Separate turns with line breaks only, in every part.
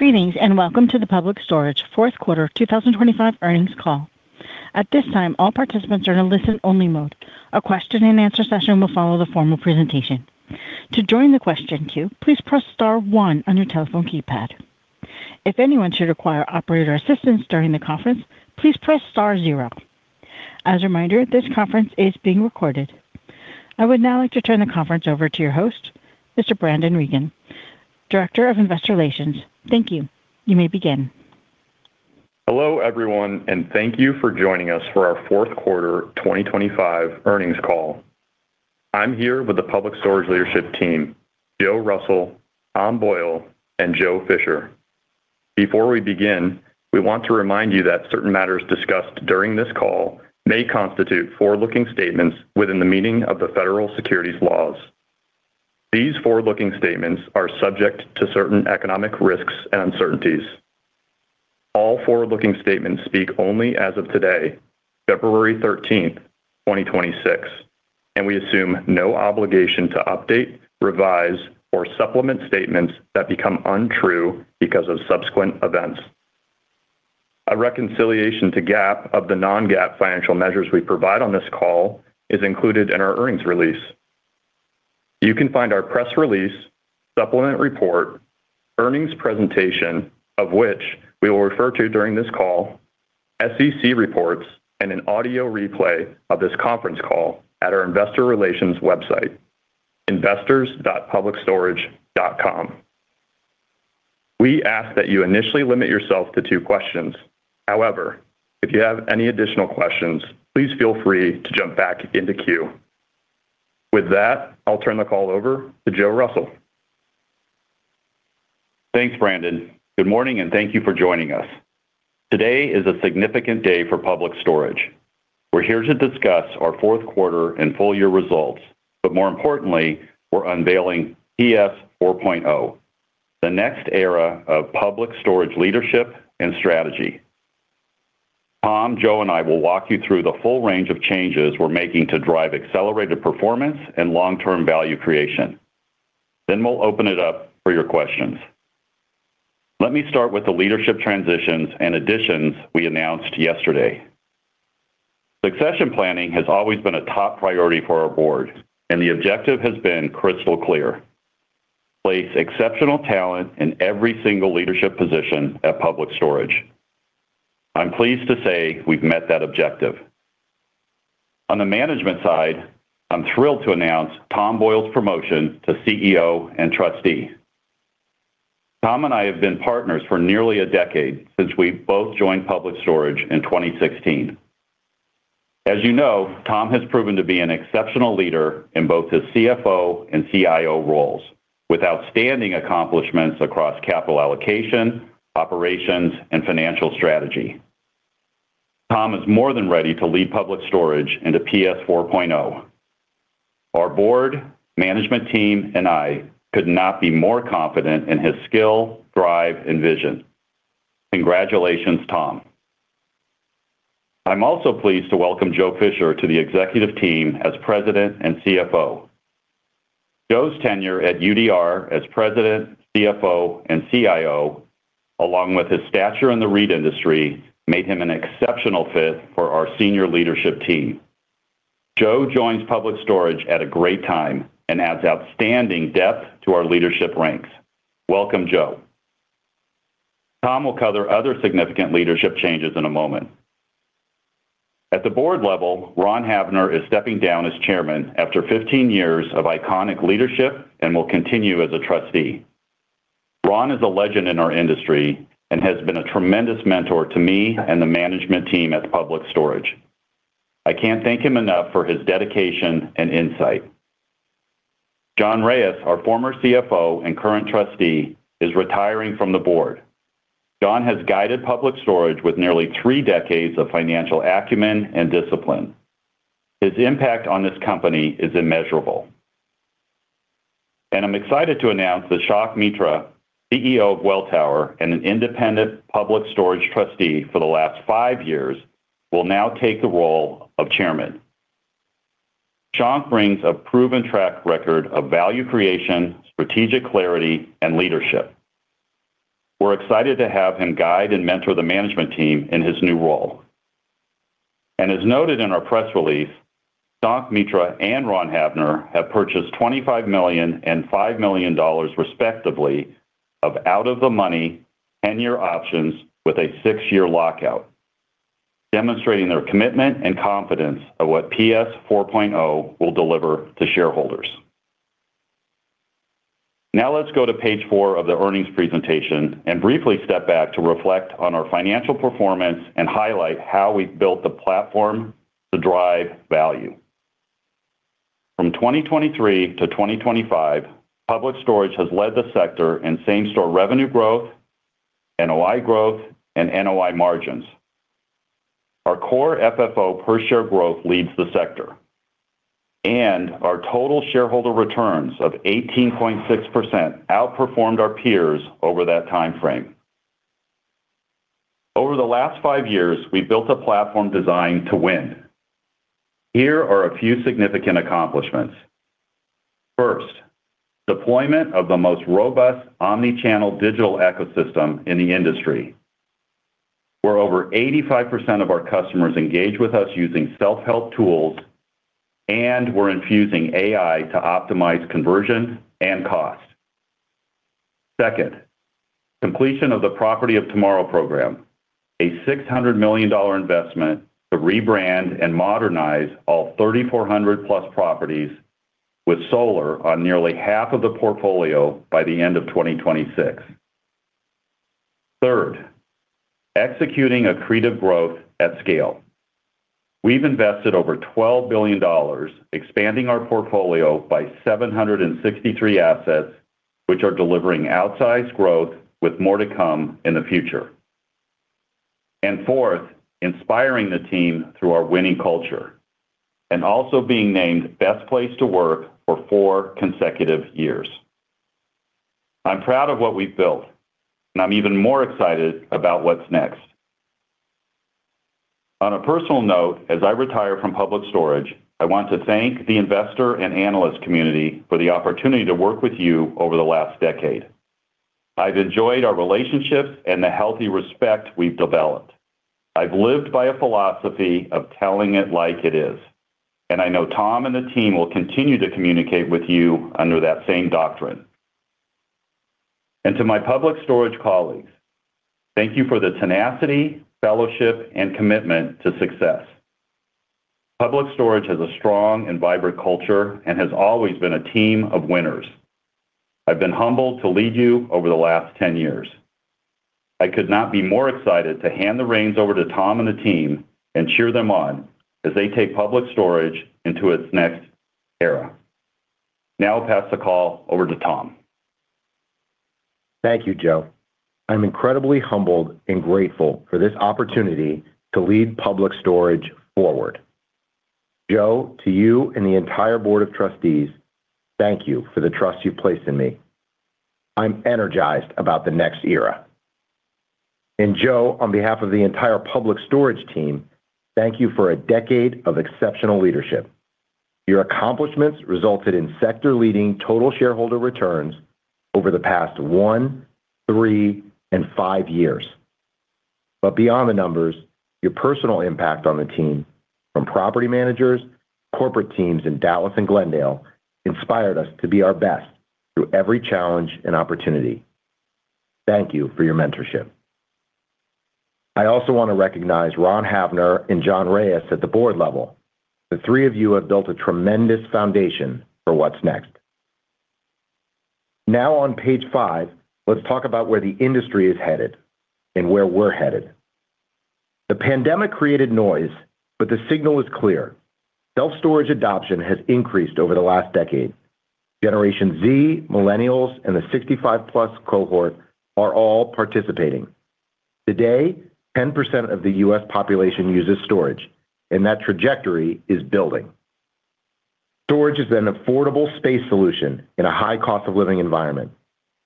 , and welcome to the Public Storage fourth quarter 2025 earnings call. At this time, all participants are in a listen-only mode. A question and answer session will follow the formal presentation. To join the question queue, please press star one on your telephone keypad. If anyone should require operator assistance during the conference, please press star zero. As a reminder, this conference is being recorded. I would now like to turn the conference over to your host, Mr. Brandon Reagan, Director of Investor Relations. Thank you. You may begin.
Hello, everyone, and thank you for joining us for our fourth quarter 2025 earnings call. I'm here with the Public Storage leadership team, Joe Russell, Tom Boyle, and Joe Fisher. Before we begin, we want to remind you that certain matters discussed during this call may constitute forward-looking statements within the meaning of the federal securities laws. These forward-looking statements are subject to certain economic risks and uncertainties. All forward-looking statements speak only as of today, February 13, 2026, and we assume no obligation to update, revise, or supplement statements that become untrue because of subsequent events. A reconciliation to GAAP of the non-GAAP financial measures we provide on this call is included in our earnings release. You can find our press release, supplemental report, earnings presentation, of which we will refer to during this call, SEC reports, and an audio replay of this conference call at our investor relations website, investors.publicstorage.com. We ask that you initially limit yourself to two questions. However, if you have any additional questions, please feel free to jump back into queue. With that, I'll turn the call over to Joe Russell.
Thanks, Brandon. Good morning, and thank you for joining us. Today is a significant day for Public Storage. We're here to discuss our fourth quarter and full year results, but more importantly, we're unveiling PS 4.0, the next era of Public Storage leadership and strategy. Tom, Joe, and I will walk you through the full range of changes we're making to drive accelerated performance and long-term value creation. Then we'll open it up for your questions. Let me start with the leadership transitions and additions we announced yesterday. Succession planning has always been a top priority for our board, and the objective has been crystal clear: place exceptional talent in every single leadership position at Public Storage. I'm pleased to say we've met that objective. On the management side, I'm thrilled to announce Tom Boyle's promotion to CEO and trustee. Tom and I have been partners for nearly a decade since we both joined Public Storage in 2016. As you know, Tom has proven to be an exceptional leader in both his CFO and CIO roles, with outstanding accomplishments across capital allocation, operations, and financial strategy. Tom is more than ready to lead Public Storage into PS 4.0. Our board, management team, and I could not be more confident in his skill, drive, and vision. Congratulations, Tom. I'm also pleased to welcome Joe Fisher to the executive team as President and CFO. Joe's tenure at UDR as President, CFO, and CIO, along with his stature in the REIT industry, made him an exceptional fit for our senior leadership team. Joe joins Public Storage at a great time and adds outstanding depth to our leadership ranks. Welcome, Joe. Tom will cover other significant leadership changes in a moment. At the board level, Ron Havner is stepping down as Chairman after 15 years of iconic leadership and will continue as a trustee. Ron is a legend in our industry and has been a tremendous mentor to me and the management team at Public Storage. I can't thank him enough for his dedication and insight. John Reyes, our former CFO and current trustee, is retiring from the board. John has guided Public Storage with nearly three decades of financial acumen and discipline. His impact on this company is immeasurable. I'm excited to announce that Shankh Mitra, CEO of Welltower and an independent Public Storage trustee for the last five years, will now take the role of Chairman. Shankh brings a proven track record of value creation, strategic clarity, and leadership. We're excited to have him guide and mentor the management team in his new role. And as noted in our press release, Shankh Mitra and Ron Havner have purchased $25 million and $5 million, respectively, of out-of-the-money 10-year options with a six-year lockout, demonstrating their commitment and confidence of what PS 4.0 will deliver to shareholders. Now, let's go to page four of the earnings presentation and briefly step back to reflect on our financial performance and highlight how we've built the platform to drive value. From 2023 to 2025, Public Storage has led the sector in same-store revenue growth, NOI growth, and NOI margins. Our core FFO per share growth leads the sector, and our total shareholder returns of 18.6% outperformed our peers over that time frame. Over the last five years, we've built a platform designed to win. Here are a few significant accomplishments. First, deployment of the most robust omni-channel digital ecosystem in the industry, where over 85% of our customers engage with us using self-help tools, and we're infusing AI to optimize conversion and cost. Second, completion of the Property of Tomorrow program, a $600 million investment to rebrand and modernize all 3,400+ properties, with solar on nearly half of the portfolio by the end of 2026. Third, executing accretive growth at scale. We've invested over $12 billion, expanding our portfolio by 763 assets, which are delivering outsized growth, with more to come in the future. And fourth, inspiring the team through our winning culture, and also being named Best Place to Work for four consecutive years. I'm proud of what we've built, and I'm even more excited about what's next. On a personal note, as I retire from Public Storage, I want to thank the Investor and Analyst community for the opportunity to work with you over the last decade. I've enjoyed our relationships and the healthy respect we've developed. I've lived by a philosophy of telling it like it is, and I know Tom and the team will continue to communicate with you under that same doctrine. To my Public Storage colleagues, thank you for the tenacity, fellowship, and commitment to success. Public Storage has a strong and vibrant culture and has always been a team of winners. I've been humbled to lead you over the last 10 years. I could not be more excited to hand the reins over to Tom and the team and cheer them on as they take Public Storage into its next era. Now I'll pass the call over to Tom.
Thank you, Joe. I'm incredibly humbled and grateful for this opportunity to lead Public Storage forward. Joe, to you and the entire board of trustees, thank you for the trust you've placed in me. I'm energized about the next era. And Joe, on behalf of the entire Public Storage team, thank you for a decade of exceptional leadership. Your accomplishments resulted in sector-leading total shareholder returns over the past one, three, and five years. But beyond the numbers, your personal impact on the team, from property managers, corporate teams in Dallas and Glendale, inspired us to be our best through every challenge and opportunity. Thank you for your mentorship. I also want to recognize Ron Havner and John Reyes at the board level. The three of you have built a tremendous foundation for what's next. Now, on page five, let's talk about where the industry is headed and where we're headed. The pandemic created noise, but the signal is clear. Self-storage adoption has increased over the last decade. Generation Z, millennials, and the 65+ cohort are all participating. Today, 10% of the U.S. population uses storage, and that trajectory is building. Storage is an affordable space solution in a high cost of living environment.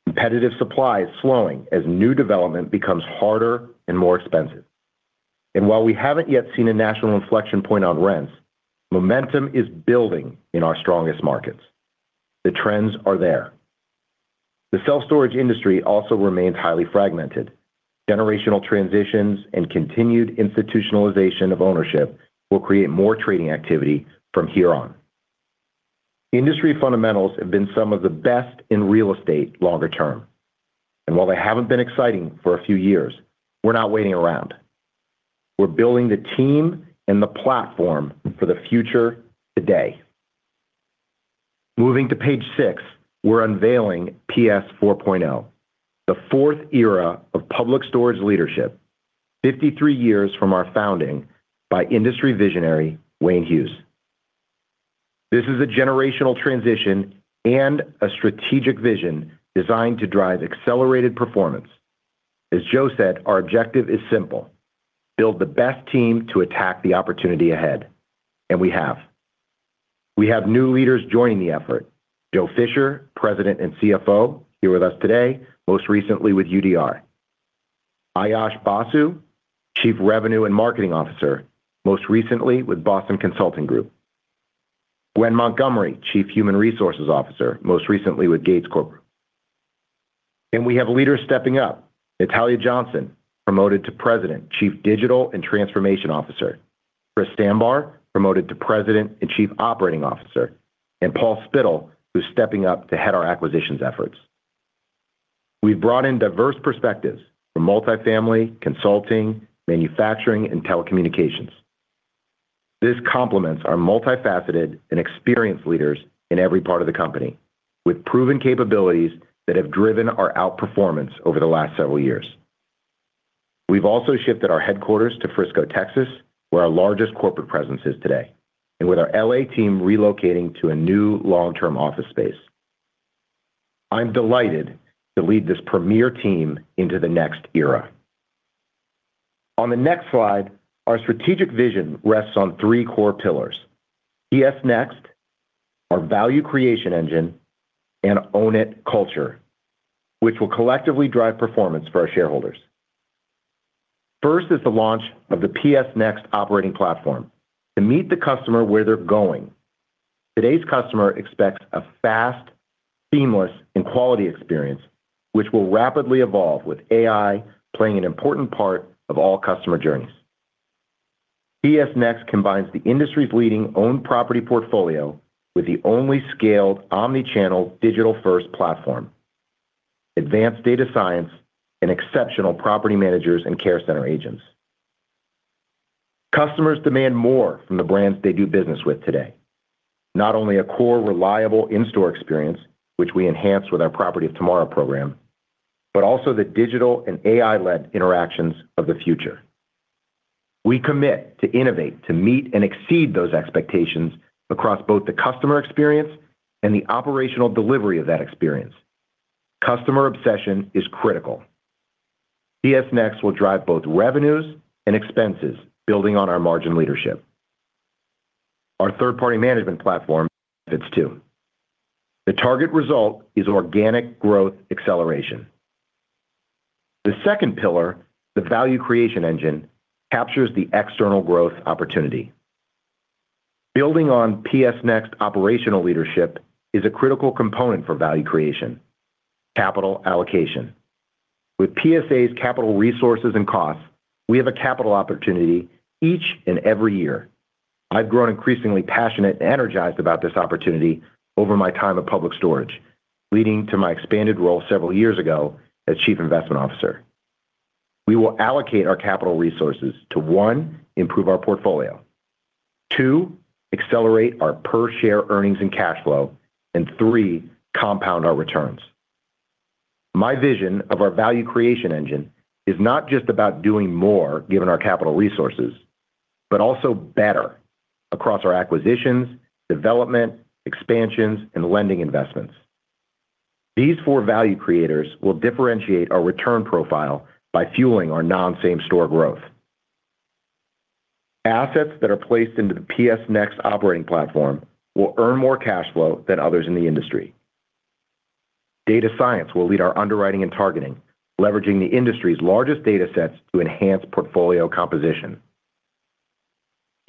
Competitive supply is slowing as new development becomes harder and more expensive. And while we haven't yet seen a national inflection point on rents, momentum is building in our strongest markets. The trends are there. The self-storage industry also remains highly fragmented. Generational transitions and continued institutionalization of ownership will create more trading activity from here on. Industry fundamentals have been some of the best in real estate longer term, and while they haven't been exciting for a few years, we're not waiting around. We're building the team and the platform for the future today. Moving to page six, we're unveiling PS 4.0, the fourth era of Public Storage leadership, 53 years from our founding by industry visionary, Wayne Hughes. This is a generational transition and a strategic vision designed to drive accelerated performance. As Joe said, our objective is simple: build the best team to attack the opportunity ahead, and we have. We have new leaders joining the effort. Joe Fisher, President and CFO, here with us today, most recently with UDR. Aayush Basu, Chief Revenue and Marketing Officer, most recently with Boston Consulting Group. Gwen Montgomery, Chief Human Resources Officer, most recently with Gates Corporation. And we have leaders stepping up. Natalia Johnson, promoted to President, Chief Digital and Transformation Officer. Chris Sambar, promoted to President and Chief Operating Officer, and Paul Spittle, who's stepping up to head our acquisitions efforts. We've brought in diverse perspectives from multifamily, consulting, manufacturing, and telecommunications. This complements our multifaceted and experienced leaders in every part of the company, with proven capabilities that have driven our outperformance over the last several years. We've also shifted our headquarters to Frisco, Texas, where our largest corporate presence is today, and with our L.A. team relocating to a new long-term office space. I'm delighted to lead this premier team into the next era. On the next slide, our strategic vision rests on three core pillars: PS Next,... our value creation engine and Own It culture, which will collectively drive performance for our shareholders. First is the launch of the PS Next operating platform. To meet the customer where they're going, today's customer expects a fast, seamless, and quality experience, which will rapidly evolve, with AI playing an important part of all customer journeys. PS Next combines the industry's leading own property portfolio with the only scaled omni-channel digital-first platform, advanced data science and exceptional property managers and care center agents. Customers demand more from the brands they do business with today. Not only a core, reliable in-store experience, which we enhance with our Property of Tomorrow program, but also the digital and AI-led interactions of the future. We commit to innovate, to meet and exceed those expectations across both the customer experience and the operational delivery of that experience. Customer obsession is critical. PS Next will drive both revenues and expenses, building on our margin leadership. Our third-party management platform benefits, too. The target result is organic growth acceleration. The second pillar, the value creation engine, captures the external growth opportunity. Building on PS Next operational leadership is a critical component for value creation, capital allocation. With PSA's capital resources and costs, we have a capital opportunity each and every year. I've grown increasingly passionate and energized about this opportunity over my time at Public Storage, leading to my expanded role several years ago as Chief Investment Officer. We will allocate our capital resources to, one, improve our portfolio, two, accelerate our per-share earnings and cash flow, and three, compound our returns. My vision of our value creation engine is not just about doing more, given our capital resources, but also better across our acquisitions, development, expansions, and lending investments. These four value creators will differentiate our return profile by fueling our non-same-store growth. Assets that are placed into the PS Next operating platform will earn more cash flow than others in the industry. Data science will lead our underwriting and targeting, leveraging the industry's largest datasets to enhance portfolio composition.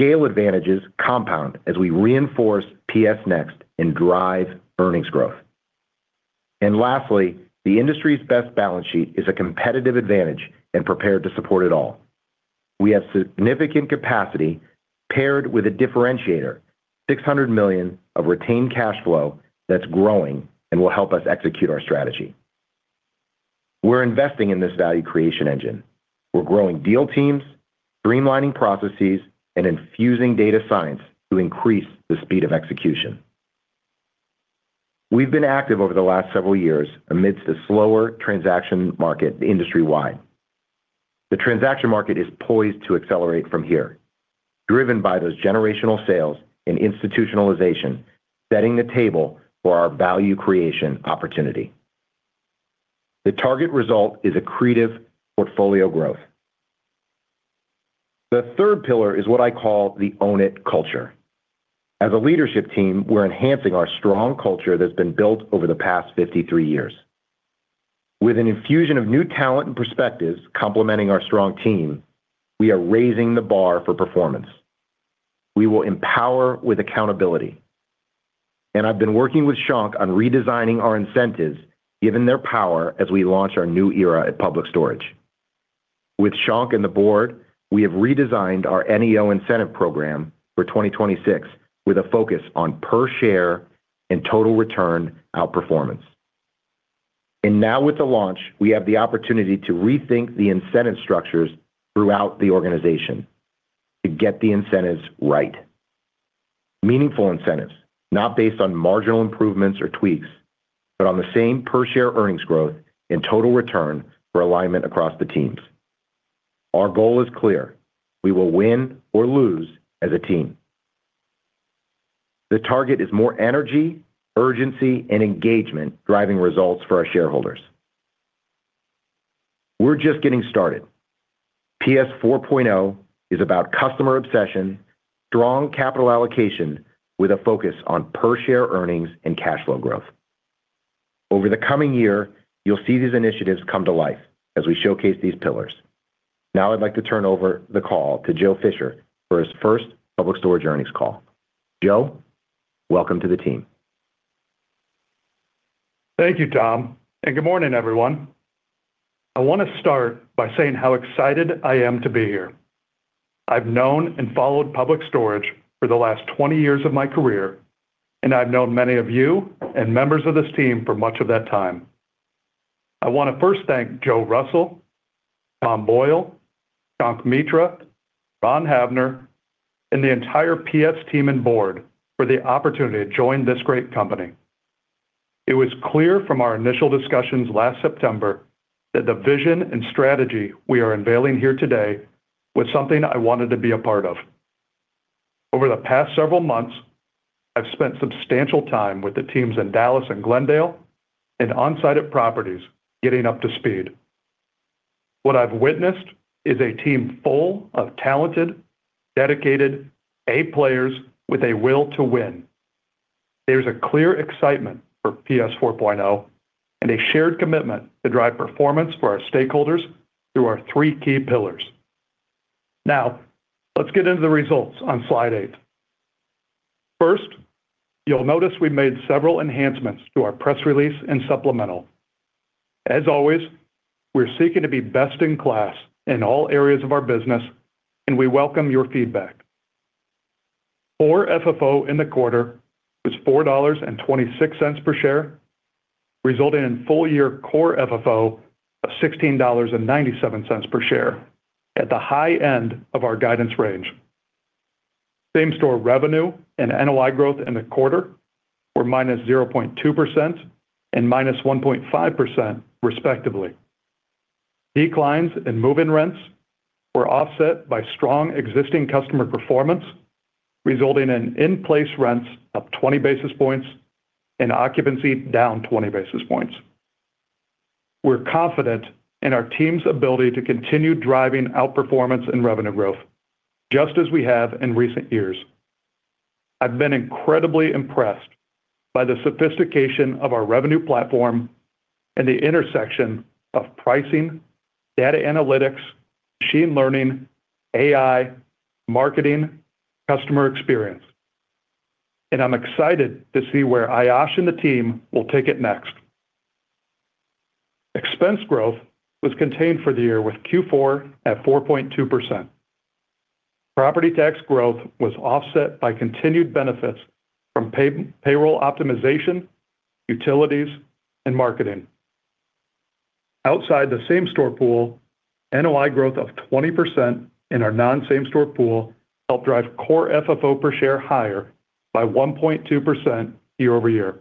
Scale advantages compound as we reinforce PS Next and drive earnings growth. And lastly, the industry's best balance sheet is a competitive advantage and prepared to support it all. We have significant capacity paired with a differentiator, $600 million of retained cash flow that's growing and will help us execute our strategy. We're investing in this value creation engine. We're growing deal teams, streamlining processes, and infusing data science to increase the speed of execution. We've been active over the last several years amidst a slower transaction market industry-wide. The transaction market is poised to accelerate from here, driven by those generational sales and institutionalization, setting the table for our value creation opportunity. The target result is accretive portfolio growth. The third pillar is what I call the Own It culture. As a leadership team, we're enhancing our strong culture that's been built over the past 53 years. With an infusion of new talent and perspectives complementing our strong team, we are raising the bar for performance. We will empower with accountability, and I've been working with Shankh on redesigning our incentives, given their power as we launch our new era at Public Storage. With Shankh and the board, we have redesigned our NEO incentive program for 2026, with a focus on per-share and total return outperformance. Now with the launch, we have the opportunity to rethink the incentive structures throughout the organization to get the incentives right. Meaningful incentives, not based on marginal improvements or tweaks, but on the same per-share earnings growth and total return for alignment across the teams. Our goal is clear: We will win or lose as a team. The target is more energy, urgency, and engagement, driving results for our shareholders. We're just getting started. PS 4.0 is about customer obsession, strong capital allocation, with a focus on per-share earnings and cash flow growth. Over the coming year, you'll see these initiatives come to life as we showcase these pillars. Now, I'd like to turn over the call to Joe Fisher for his first Public Storage earnings call. Joe, welcome to the team.
Thank you, Tom, and good morning, everyone. I want to start by saying how excited I am to be here. I've known and followed Public Storage for the last 20 years of my career, and I've known many of you and members of this team for much of that time. I want to first thank Joe Russell, Tom Boyle, Shankh Mitra, Ron Havner, and the entire PS team and board for the opportunity to join this great company. It was clear from our initial discussions last September that the vision and strategy we are unveiling here today was something I wanted to be a part of. Over the past several months, I've spent substantial time with the teams in Dallas and Glendale and on-site at properties, getting up to speed. What I've witnessed is a team full of talented, dedicated, A players with a will to win. There's a clear excitement for PS 4.0, and a shared commitment to drive performance for our stakeholders through our three key pillars. Now, let's get into the results on slide eight. First, you'll notice we've made several enhancements to our press release and supplemental. As always, we're seeking to be best in class in all areas of our business, and we welcome your feedback. Core FFO in the quarter was $4.26 per share, resulting in full-year core FFO of $16.97 per share at the high end of our guidance range. Same-store revenue and NOI growth in the quarter were -0.2% and -1.5%, respectively. Declines in move-in rents were offset by strong existing customer performance, resulting in in-place rents up 20 basis points and occupancy down 20 basis points. We're confident in our team's ability to continue driving outperformance and revenue growth, just as we have in recent years. I've been incredibly impressed by the sophistication of our revenue platform and the intersection of pricing, data analytics, machine learning, AI, marketing, customer experience, and I'm excited to see where Aayush and the team will take it next. Expense growth was contained for the year, with Q4 at 4.2%. Property tax growth was offset by continued benefits from payroll optimization, utilities, and marketing. Outside the same-store pool, NOI growth of 20% in our non-same-store pool helped drive Core FFO per share higher by 1.2% year-over-year.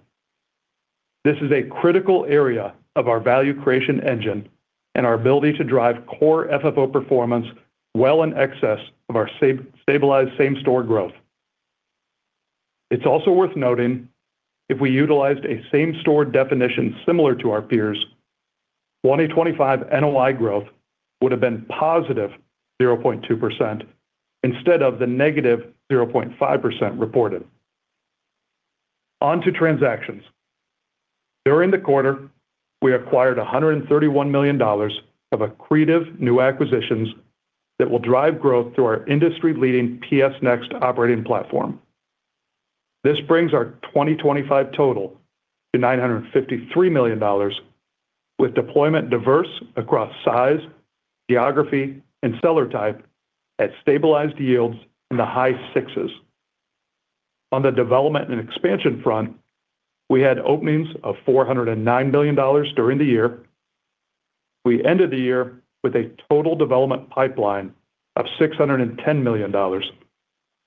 This is a critical area of our value creation engine and our ability to drive Core FFO performance well in excess of our stabilized same-store growth. It's also worth noting, if we utilized a same-store definition similar to our peers, 2025 NOI growth would have been positive 0.2% instead of the negative 0.5% reported. On to transactions. During the quarter, we acquired $131 million of accretive new acquisitions that will drive growth through our industry-leading PS Next operating platform. This brings our 2025 total to $953 million, with deployment diverse across size, geography, and seller type at stabilized yields in the high sixes. On the development and expansion front, we had openings of $409 million during the year. We ended the year with a total development pipeline of $610 million,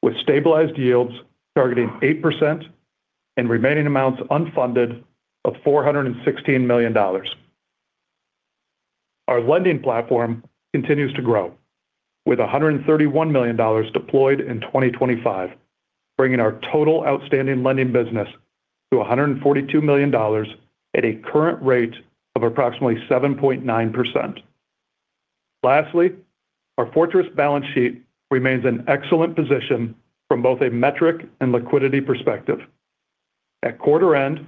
with stabilized yields targeting 8% and remaining amounts unfunded of $416 million. Our lending platform continues to grow, with $131 million deployed in 2025, bringing our total outstanding lending business to $142 million at a current rate of approximately 7.9%. Lastly, our fortress balance sheet remains in excellent position from both a metric and liquidity perspective. At quarter end,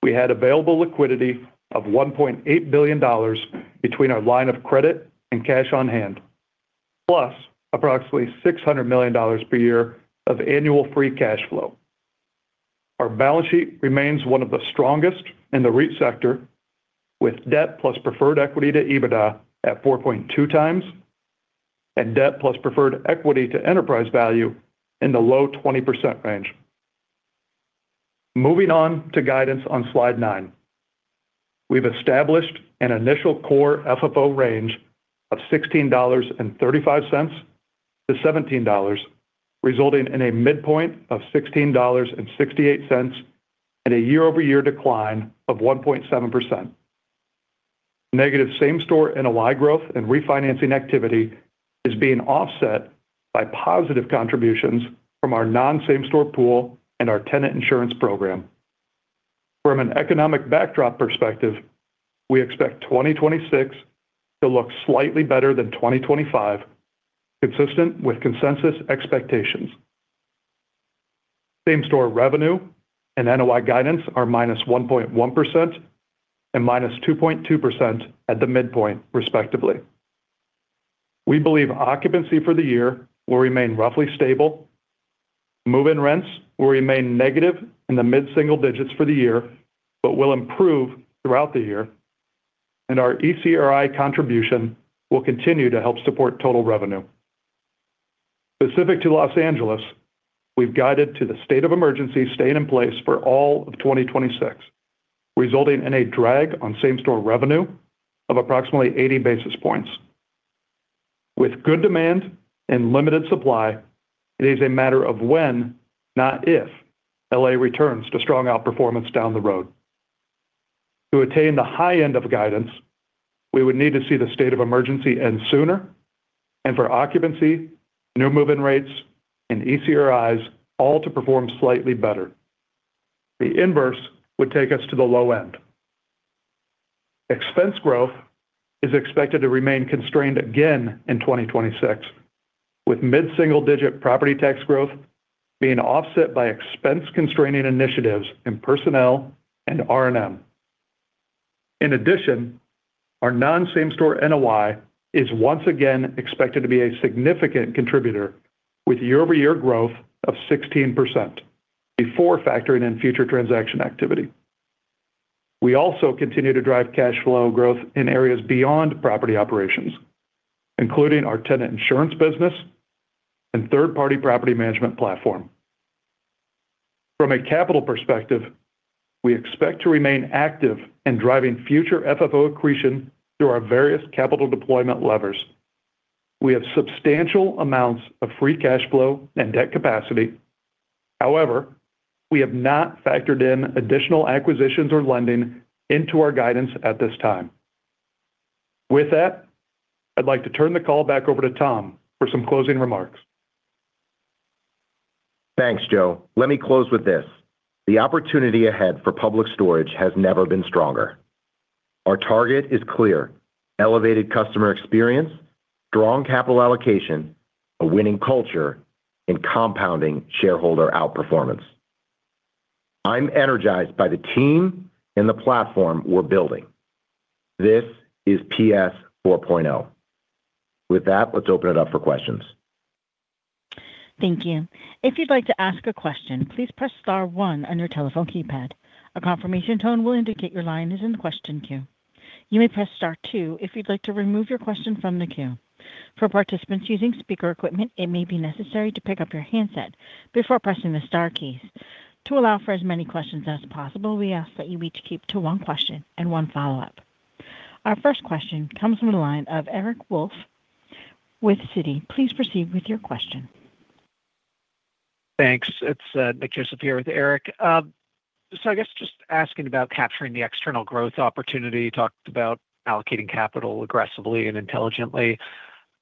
we had available liquidity of $1.8 billion between our line of credit and cash on hand, plus approximately $600 million per year of annual free cash flow. Our balance sheet remains one of the strongest in the REIT sector, with debt plus preferred equity to EBITDA at 4.2x and debt plus preferred equity to enterprise value in the low 20% range. Moving on to guidance on slide nine. We've established an initial Core FFO range of $16.35-$17, resulting in a midpoint of $16.68 and a year-over-year decline of 1.7%. Negative same-store NOI growth and refinancing activity is being offset by positive contributions from our non-same store pool and our tenant insurance program. From an economic backdrop perspective, we expect 2026 to look slightly better than 2025, consistent with consensus expectations. Same-store revenue and NOI guidance are -1.1% and -2.2% at the midpoint, respectively. We believe occupancy for the year will remain roughly stable. Move-in rents will remain negative in the mid-single digits for the year, but will improve throughout the year, and our ECRI contribution will continue to help support total revenue. Specific to Los Angeles, we've guided to the state of emergency staying in place for all of 2026, resulting in a drag on same-store revenue of approximately 80 basis points. With good demand and limited supply, it is a matter of when, not if, L.A. returns to strong outperformance down the road. To attain the high end of guidance, we would need to see the state of emergency end sooner, and for occupancy, new move-in rates, and ECRIs all to perform slightly better. The inverse would take us to the low end. Expense growth is expected to remain constrained again in 2026, with mid-single-digit property tax growth being offset by expense-constraining initiatives in personnel and R&M. In addition, our non-same store NOI is once again expected to be a significant contributor, with year-over-year growth of 16% before factoring in future transaction activity. We also continue to drive cash flow growth in areas beyond property operations, including our tenant insurance business and third-party property management platform. From a capital perspective, we expect to remain active in driving future FFO accretion through our various capital deployment levers. We have substantial amounts of free cash flow and debt capacity. However, we have not factored in additional acquisitions or lending into our guidance at this time. With that, I'd like to turn the call back over to Tom for some closing remarks.
Thanks, Joe. Let me close with this. The opportunity ahead for Public Storage has never been stronger. Our target is clear: elevated customer experience, strong capital allocation, a winning culture, and compounding shareholder outperformance. I'm energized by the team and the platform we're building. This is PS 4.0. With that, let's open it up for questions.
Thank you. If you'd like to ask a question, please press star one on your telephone keypad. A confirmation tone will indicate your line is in the question queue. You may press star two if you'd like to remove your question from the queue. For participants using speaker equipment, it may be necessary to pick up your handset before pressing the star keys. To allow for as many questions as possible, we ask that you each keep to one question and one follow-up. Our first question comes from the line of Eric Wolfe with Citi. Please proceed with your question.
Thanks. It's Nick Joseph here with Eric. So I guess just asking about capturing the external growth opportunity. You talked about allocating capital aggressively and intelligently.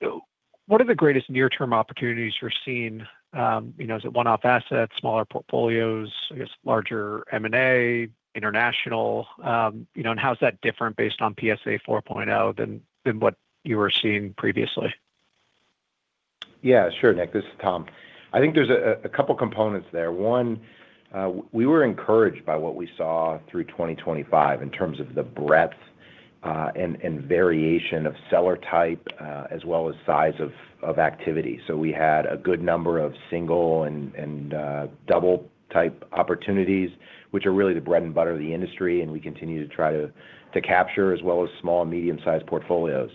So what are the greatest near-term opportunities you're seeing? You know, is it one-off assets, smaller portfolios, I guess, larger M&A, international? You know, and how is that different based on PS 4.0 than, than what you were seeing previously?
Yeah, sure, Nick. This is Tom. I think there's a couple components there. One, we were encouraged by what we saw through 2025 in terms of the breadth and variation of seller type, as well as size of activity. So we had a good number of single and double type opportunities, which are really the bread and butter of the industry, and we continue to try to capture, as well as small and medium-sized portfolios.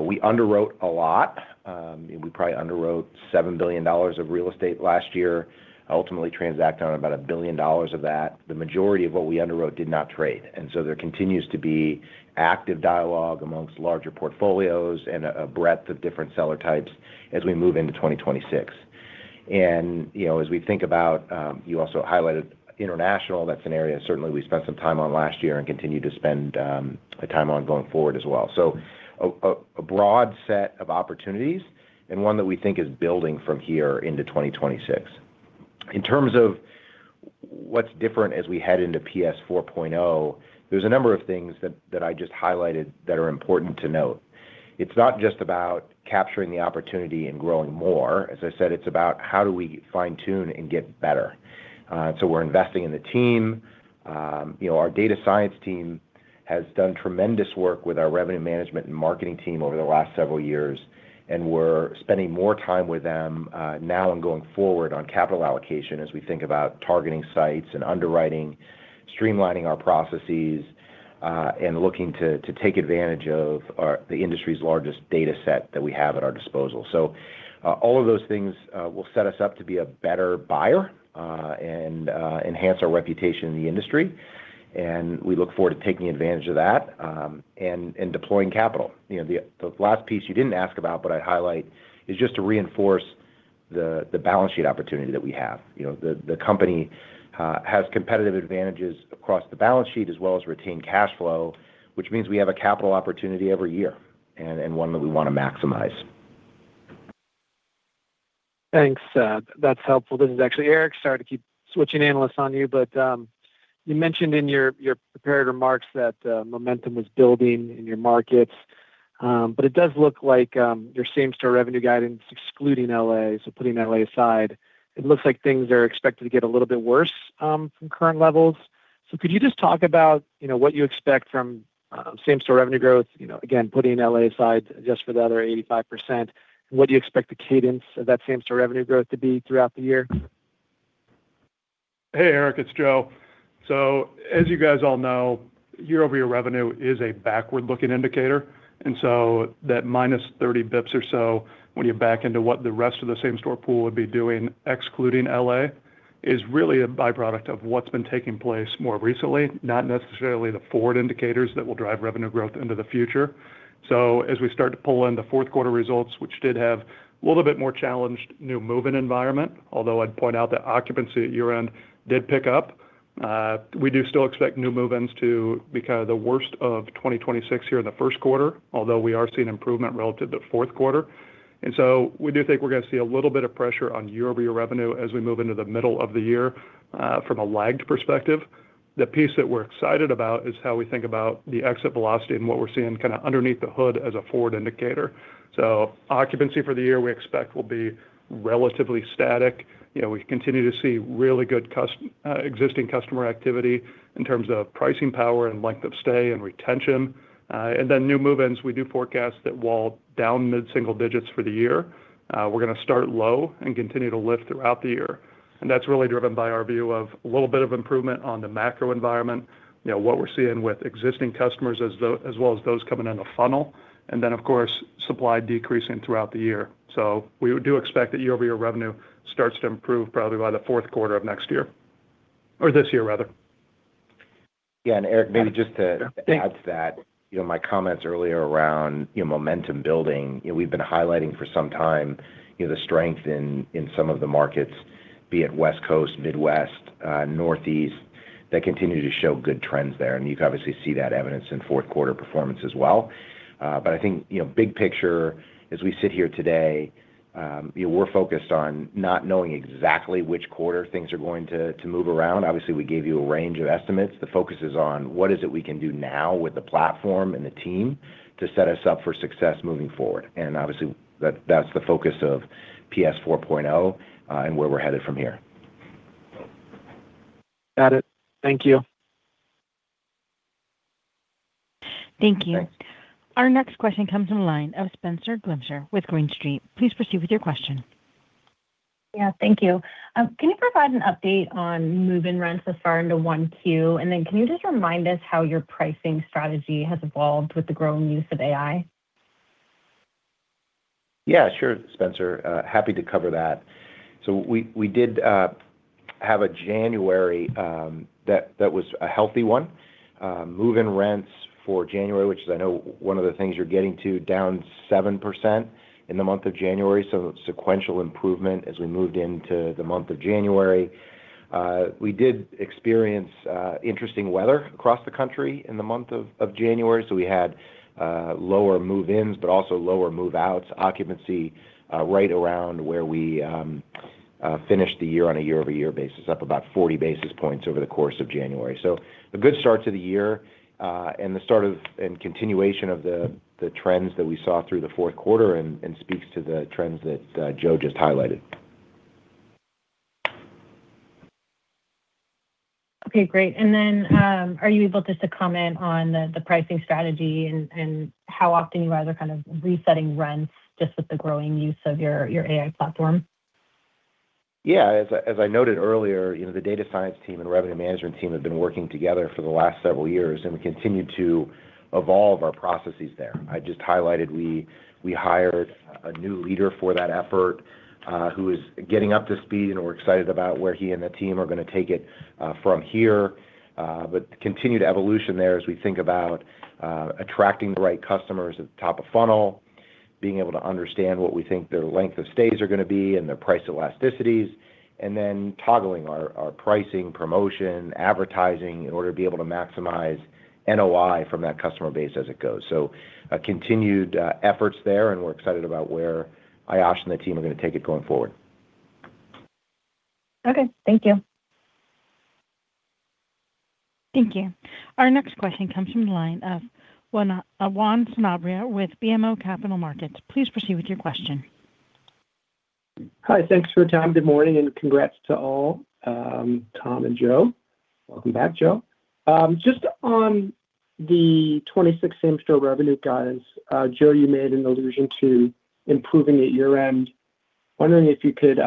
We underwrote a lot. We probably underwrote $7 billion of real estate last year, ultimately transact on about $1 billion of that. The majority of what we underwrote did not trade, and so there continues to be active dialogue amongst larger portfolios and a breadth of different seller types as we move into 2026. You know, as we think about, you also highlighted international. That's an area certainly we spent some time on last year and continue to spend time on going forward as well. So a broad set of opportunities and one that we think is building from here into 2026. In terms of what's different as we head into PS 4.0, there's a number of things that I just highlighted that are important to note. It's not just about capturing the opportunity and growing more. As I said, it's about how do we fine-tune and get better? So we're investing in the team. You know, our data science team has done tremendous work with our revenue management and marketing team over the last several years, and we're spending more time with them now and going forward on capital allocation as we think about targeting sites and underwriting, streamlining our processes, and looking to take advantage of the industry's largest dataset that we have at our disposal. So, all of those things will set us up to be a better buyer and enhance our reputation in the industry, and we look forward to taking advantage of that and deploying capital. You know, the last piece you didn't ask about, but I'd highlight, is just to reinforce the balance sheet opportunity that we have. You know, the company has competitive advantages across the balance sheet, as well as retained cash flow, which means we have a capital opportunity every year and one that we want to maximize.
Thanks. That's helpful. This is actually Eric. Sorry to keep switching Analysts on you, but you mentioned in your prepared remarks that momentum was building in your markets, but it does look like your same-store revenue guidance, excluding L.A., so putting L.A. aside, it looks like things are expected to get a little bit worse from current levels. So could you just talk about, you know, what you expect from same-store revenue growth? You know, again, putting L.A. aside, just for the other 85%, what do you expect the cadence of that same-store revenue growth to be throughout the year?
Hey, Eric, it's Joe. So as you guys all know, year-over-year revenue is a backward-looking indicator, and so that -30 basis points or so, when you back into what the rest of the same-store pool would be doing, excluding L.A., is really a byproduct of what's been taking place more recently, not necessarily the forward indicators that will drive revenue growth into the future. So as we start to pull in the fourth quarter results, which did have a little bit more challenged new move-in environment, although I'd point out that occupancy at year-end did pick up, we do still expect new move-ins to be kind of the worst of 2026 here in the first quarter, although we are seeing improvement relative to fourth quarter.... And so we do think we're going to see a little bit of pressure on year-over-year revenue as we move into the middle of the year, from a lagged perspective. The piece that we're excited about is how we think about the exit velocity and what we're seeing kind of underneath the hood as a forward indicator. So occupancy for the year, we expect will be relatively static. You know, we continue to see really good existing customer activity in terms of pricing power and length of stay and retention. And then new move-ins, we do forecast that we're down mid-single digits for the year. We're going to start low and continue to lift throughout the year. That's really driven by our view of a little bit of improvement on the macro environment, you know, what we're seeing with existing customers as though, as well as those coming in the funnel, and then, of course, supply decreasing throughout the year. So we do expect that year-over-year revenue starts to improve probably by the fourth quarter of next year, or this year, rather.
Yeah, and Eric, maybe just to add to that, you know, my comments earlier around, you know, momentum building. You know, we've been highlighting for some time, you know, the strength in, in some of the markets, be it West Coast, Midwest, Northeast, that continue to show good trends there. You can obviously see that evidence in fourth quarter performance as well. But I think, you know, big picture, as we sit here today, you know, we're focused on not knowing exactly which quarter things are going to, to move around. Obviously, we gave you a range of estimates. The focus is on what is it we can do now with the platform and the team to set us up for success moving forward? And obviously, that, that's the focus of PS 4.0, and where we're headed from here.
Got it. Thank you.
Thank you. Our next question comes in the line of Spenser Allawayr with Green Street. Please proceed with your question.
Yeah, thank you. Can you provide an update on move-in rents thus far into 1Q? And then can you just remind us how your pricing strategy has evolved with the growing use of AI?
Yeah, sure, Spencer. Happy to cover that. So we did have a January that was a healthy one. Move-in rents for January, which is I know one of the things you're getting to, down 7% in the month of January. So sequential improvement as we moved into the month of January. We did experience interesting weather across the country in the month of January, so we had lower move-ins, but also lower move-outs. Occupancy right around where we finished the year on a year-over-year basis, up about 40 basis points over the course of January. So a good start to the year, and the start of and continuation of the trends that we saw through the fourth quarter and speaks to the trends that Joe just highlighted.
Okay, great. And then, are you able just to comment on the, the pricing strategy and, and how often you guys are kind of resetting rents just with the growing use of your, your AI platform?
Yeah. As I noted earlier, you know, the data science team and revenue management team have been working together for the last several years, and we continue to evolve our processes there. I just highlighted we hired a new leader for that effort, who is getting up to speed, and we're excited about where he and the team are going to take it from here. But continued evolution there as we think about attracting the right customers at the top of funnel, being able to understand what we think their length of stays are going to be and their price elasticities, and then toggling our pricing, promotion, advertising, in order to be able to maximize NOI from that customer base as it goes. Continued efforts there, and we're excited about where Aayush and the team are going to take it going forward.
Okay. Thank you.
Thank you. Our next question comes from the line of Juan Sanabria with BMO Capital Markets. Please proceed with your question.
Hi, thanks for your time. Good morning, and congrats to all, Tom and Joe. Welcome back, Joe. Just on the 2026 same-store revenue guidance, Joe, you made an allusion to improving at year-end. Wondering if you could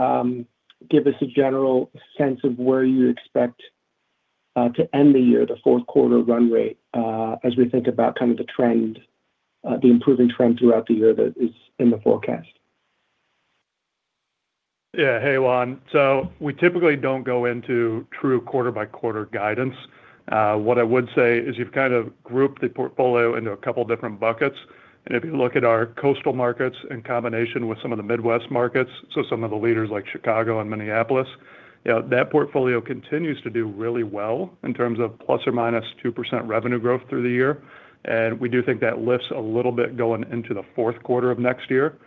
give us a general sense of where you expect to end the year, the fourth quarter run rate, as we think about kind of the trend, the improving trend throughout the year that is in the forecast.
Yeah. Hey, Juan. So we typically don't go into true quarter-by-quarter guidance. What I would say is you've kind of grouped the portfolio into a couple different buckets, and if you look at our coastal markets in combination with some of the Midwest markets, so some of the leaders like Chicago and Minneapolis, you know, that portfolio continues to do really well in terms of ±2% revenue growth through the year. And we do think that lifts a little bit going into the fourth quarter of next year.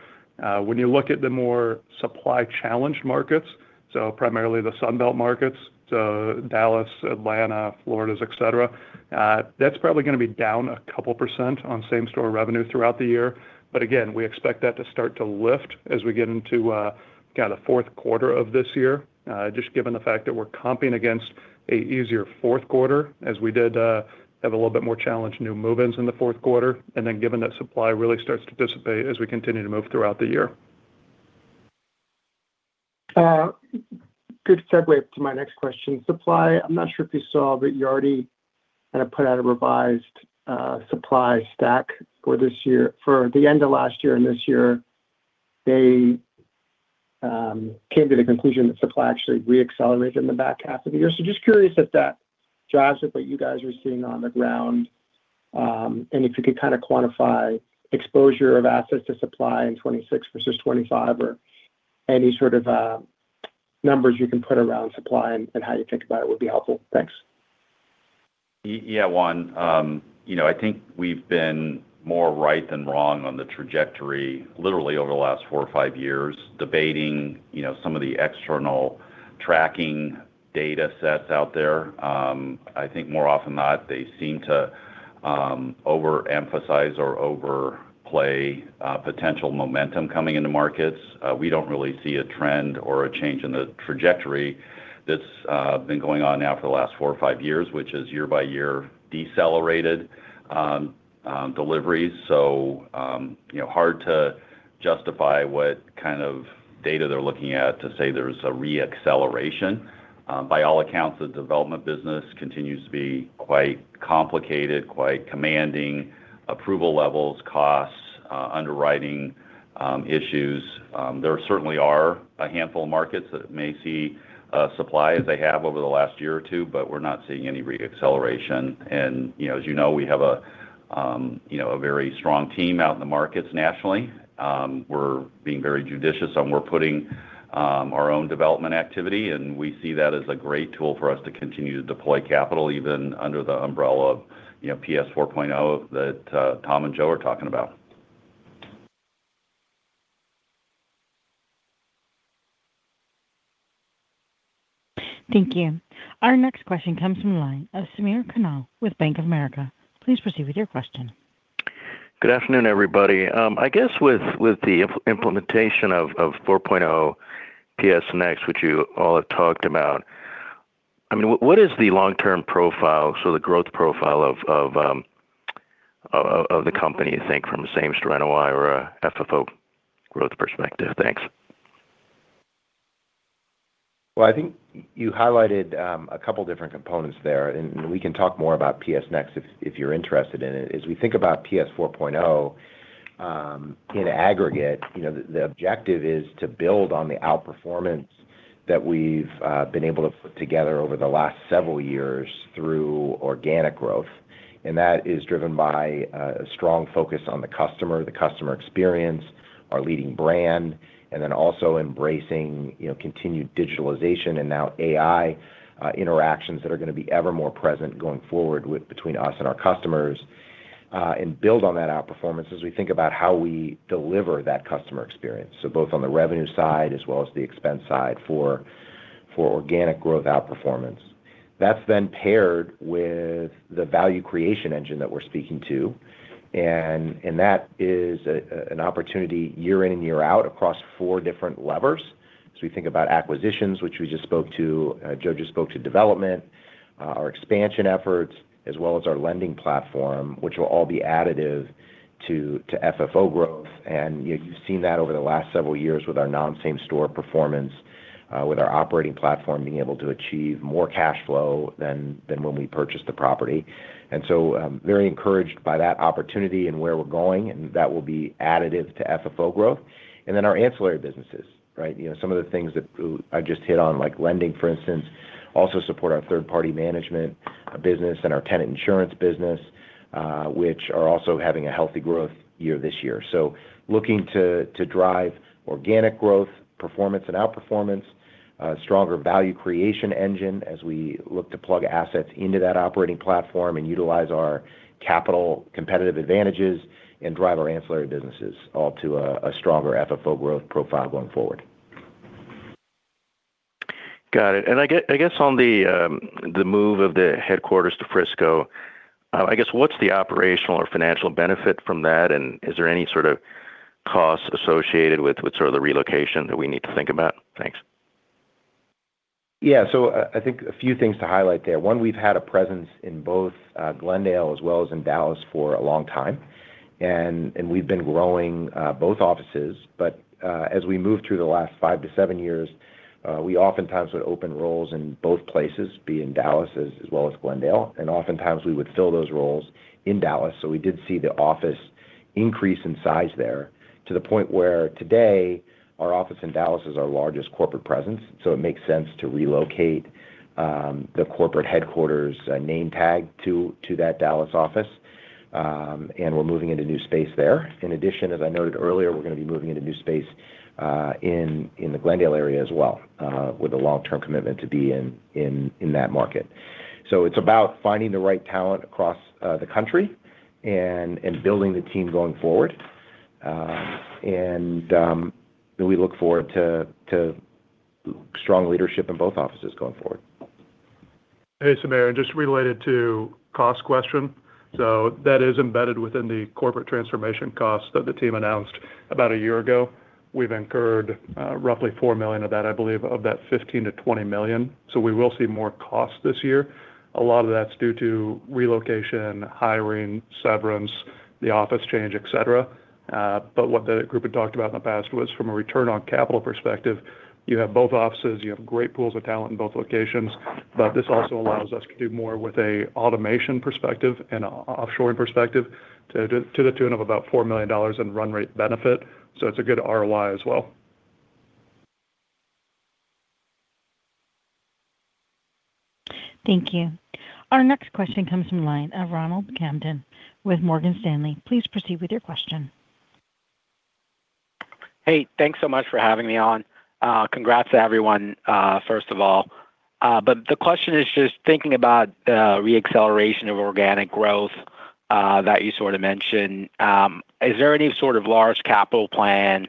When you look at the more supply-challenged markets, so primarily the Sun Belt markets, so Dallas, Atlanta, Florida, et cetera, that's probably going to be down a couple percent on same-store revenue throughout the year. But again, we expect that to start to lift as we get into kind of fourth quarter of this year, just given the fact that we're comping against an easier fourth quarter, as we did have a little bit more challenged new move-ins in the fourth quarter, and then given that supply really starts to dissipate as we continue to move throughout the year.
Good segue to my next question. Supply, I'm not sure if you saw, but Yardi kind of put out a revised supply stack for this year. For the end of last year and this year, they came to the conclusion that supply actually re-accelerated in the back half of the year. So just curious if that jives with what you guys are seeing on the ground, and if you could kind of quantify exposure of assets to supply in 2026 versus 2025 or any sort of numbers you can put around supply and how you think about it would be helpful. Thanks....
Yeah, Juan, you know, I think we've been more right than wrong on the trajectory, literally over the last four or five years, debating, you know, some of the external tracking data sets out there. I think more often than not, they seem to overemphasize or overplay potential momentum coming into markets. We don't really see a trend or a change in the trajectory that's been going on now for the last four or five years, which is year-by-year decelerated deliveries. So, you know, hard to justify what kind of data they're looking at to say there's a reacceleration. By all accounts, the development business continues to be quite complicated, quite commanding approval levels, costs, underwriting issues.
There certainly are a handful of markets that may see supply as they have over the last year or two, but we're not seeing any reacceleration. You know, as you know, we have a you know a very strong team out in the markets nationally. We're being very judicious, and we're putting our own development activity, and we see that as a great tool for us to continue to deploy capital, even under the umbrella of, you know, PS 4.0 that Tom and Joe are talking about.
Thank you. Our next question comes from the line of Samir Khanal with Bank of America. Please proceed with your question.
Good afternoon, everybody. I guess with the implementation of 4.0 PS Next, which you all have talked about, I mean, what is the long-term profile, so the growth profile of the company, I think, from a same-store NOI or a FFO growth perspective? Thanks.
Well, I think you highlighted a couple different components there, and we can talk more about PS Next if you're interested in it. As we think about PS 4.0, in aggregate, you know, the objective is to build on the outperformance that we've been able to put together over the last several years through organic growth, and that is driven by a strong focus on the customer, the customer experience, our leading brand, and then also embracing, you know, continued digitalization and now AI interactions that are gonna be ever more present going forward with between us and our customers, and build on that outperformance as we think about how we deliver that customer experience. So both on the revenue side as well as the expense side for organic growth outperformance. That's then paired with the value creation engine that we're speaking to, and that is an opportunity year in and year out across four different levers. So we think about acquisitions, which we just spoke to, Joe just spoke to development, our expansion efforts, as well as our lending platform, which will all be additive to FFO growth. And you've seen that over the last several years with our non-same store performance, with our operating platform being able to achieve more cash flow than when we purchased the property. And so I'm very encouraged by that opportunity and where we're going, and that will be additive to FFO growth. And then our ancillary businesses, right? You know, some of the things that, I just hit on, like lending, for instance, also support our third-party management business and our tenant insurance business, which are also having a healthy growth year this year. So looking to, to drive organic growth, performance, and outperformance, stronger value creation engine as we look to plug assets into that operating platform and utilize our capital competitive advantages and drive our ancillary businesses all to a, a stronger FFO growth profile going forward.
Got it. I guess on the move of the headquarters to Frisco, I guess, what's the operational or financial benefit from that? Is there any sort of costs associated with the relocation that we need to think about? Thanks.
Yeah. So I, I think a few things to highlight there. One, we've had a presence in both, Glendale as well as in Dallas for a long time, and, and we've been growing, both offices. But, as we moved through the last five to seven years, we oftentimes would open roles in both places, be in Dallas as, as well as Glendale, and oftentimes we would fill those roles in Dallas. So we did see the office increase in size here to the point where today, our office in Dallas is our largest corporate presence, so it makes sense to relocate, the corporate headquarters, name tag to, to that Dallas office. And we're moving into new space there. In addition, as I noted earlier, we're gonna be moving into new space in the Glendale area as well, with a long-term commitment to be in that market. So it's about finding the right talent across the country and building the team going forward. We look forward to strong leadership in both offices going forward.
Hey, Samir, and just related to cost question, so that is embedded within the corporate transformation cost that the team announced about a year ago. We've incurred roughly $4 million of that, I believe, of that $15 million-$20 million, so we will see more costs this year. A lot of that's due to relocation, hiring, severance, the office change, et cetera. But what the group had talked about in the past was from a return on capital perspective, you have both offices, you have great pools of talent in both locations, but this also allows us to do more with a automation perspective and offshoring perspective to the tune of about $4 million in run rate benefit. So it's a good ROI as well.
Thank you. Our next question comes from line of Ronald Kamdem with Morgan Stanley. Please proceed with your question. ...
Hey, thanks so much for having me on. Congrats to everyone, first of all. But the question is just thinking about re-acceleration of organic growth that you sort of mentioned. Is there any sort of large capital plan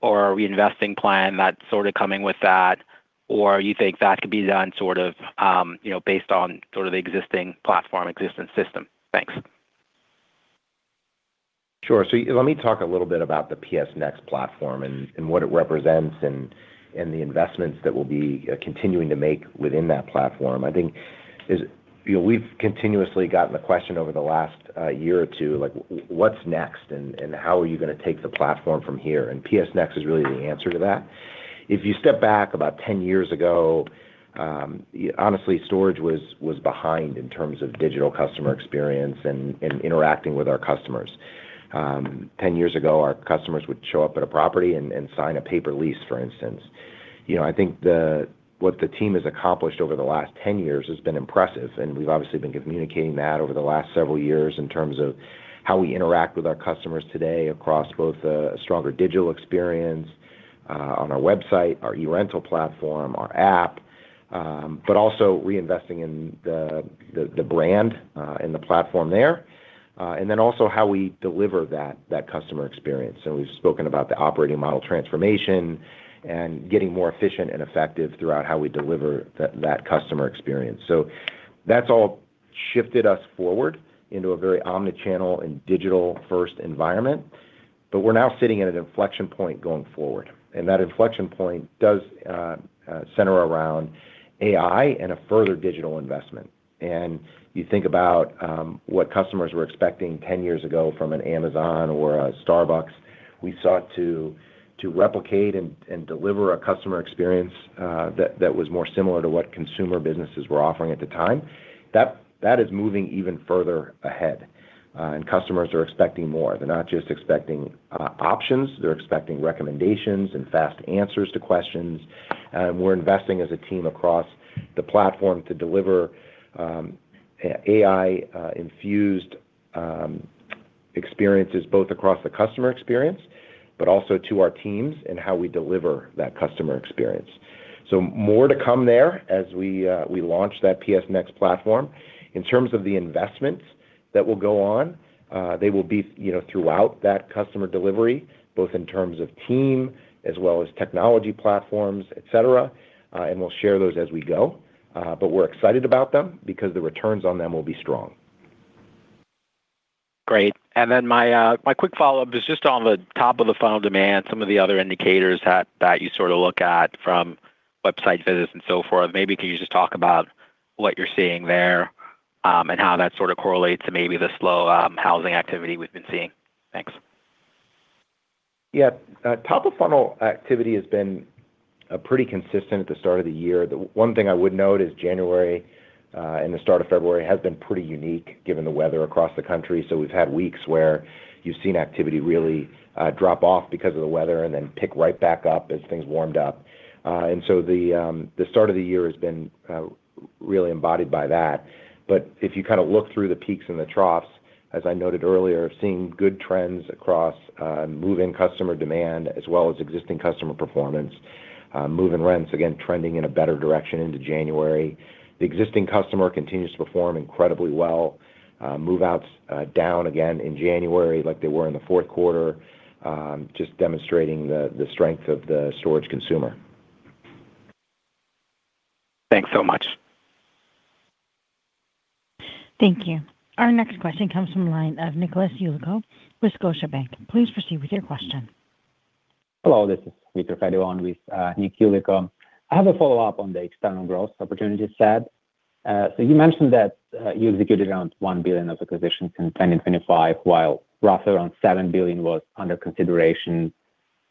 or reinvesting plan that's sort of coming with that, or you think that could be done sort of, you know, based on sort of the existing platform, existing system? Thanks.
Sure. So let me talk a little bit about the PS Next platform and, and what it represents, and, and the investments that we'll be continuing to make within that platform. I think, you know, we've continuously gotten the question over the last year or two, like, "What's next, and, and how are you gonna take the platform from here?" And PS Next is really the answer to that. If you step back about 10 years ago, yeah, honestly, storage was, was behind in terms of digital customer experience and, and interacting with our customers. Ten years ago, our customers would show up at a property and, and sign a paper lease, for instance. You know, I think what the team has accomplished over the last 10 years has been impressive, and we've obviously been communicating that over the last several years in terms of how we interact with our customers today across both a stronger digital experience on our website, our e-rental platform, our app, but also reinvesting in the brand and the platform there, and then also how we deliver that customer experience. So we've spoken about the operating model transformation and getting more efficient and effective throughout how we deliver that customer experience. So that's all shifted us forward into a very Omni-channel and digital-first environment, but we're now sitting at an inflection point going forward. And that inflection point does center around AI and a further digital investment. And you think about what customers were expecting 10 years ago from an Amazon or a Starbucks, we sought to replicate and deliver a customer experience that was more similar to what consumer businesses were offering at the time. That is moving even further ahead, and customers are expecting more. They're not just expecting options, they're expecting recommendations and fast answers to questions. And we're investing as a team across the platform to deliver AI infused experiences, both across the customer experience, but also to our teams and how we deliver that customer experience. So more to come there as we launch that PS Next platform. In terms of the investments that will go on, they will be, you know, throughout that customer delivery, both in terms of team as well as technology platforms, et cetera, and we'll share those as we go. But we're excited about them because the returns on them will be strong.
Great. My quick follow-up is just on the top of the funnel demand, some of the other indicators that you sort of look at from website visits and so forth. Maybe can you just talk about what you're seeing there, and how that sort of correlates to maybe the slow housing activity we've been seeing? Thanks.
Yeah. Top-of-funnel activity has been pretty consistent at the start of the year. The one thing I would note is January and the start of February has been pretty unique, given the weather across the country. So we've had weeks where you've seen activity really drop off because of the weather and then pick right back up as things warmed up. And so the start of the year has been really embodied by that. But if you kind of look through the peaks and the troughs, as I noted earlier, seeing good trends across move-in customer demand, as well as existing customer performance. Move-in rents, again, trending in a better direction into January. The existing customer continues to perform incredibly well. Move-outs down again in January, like they were in the fourth quarter, just demonstrating the strength of the storage consumer.
Thanks so much.
Thank you. Our next question comes from the line of Nicholas Yulico with Scotiabank. Please proceed with your question.
Hello, this is Victor Fedyuk with, Nick Yulico. I have a follow-up on the external growth opportunity set. So you mentioned that, you executed around $1 billion of acquisitions in 2025, while roughly around $7 billion was under consideration.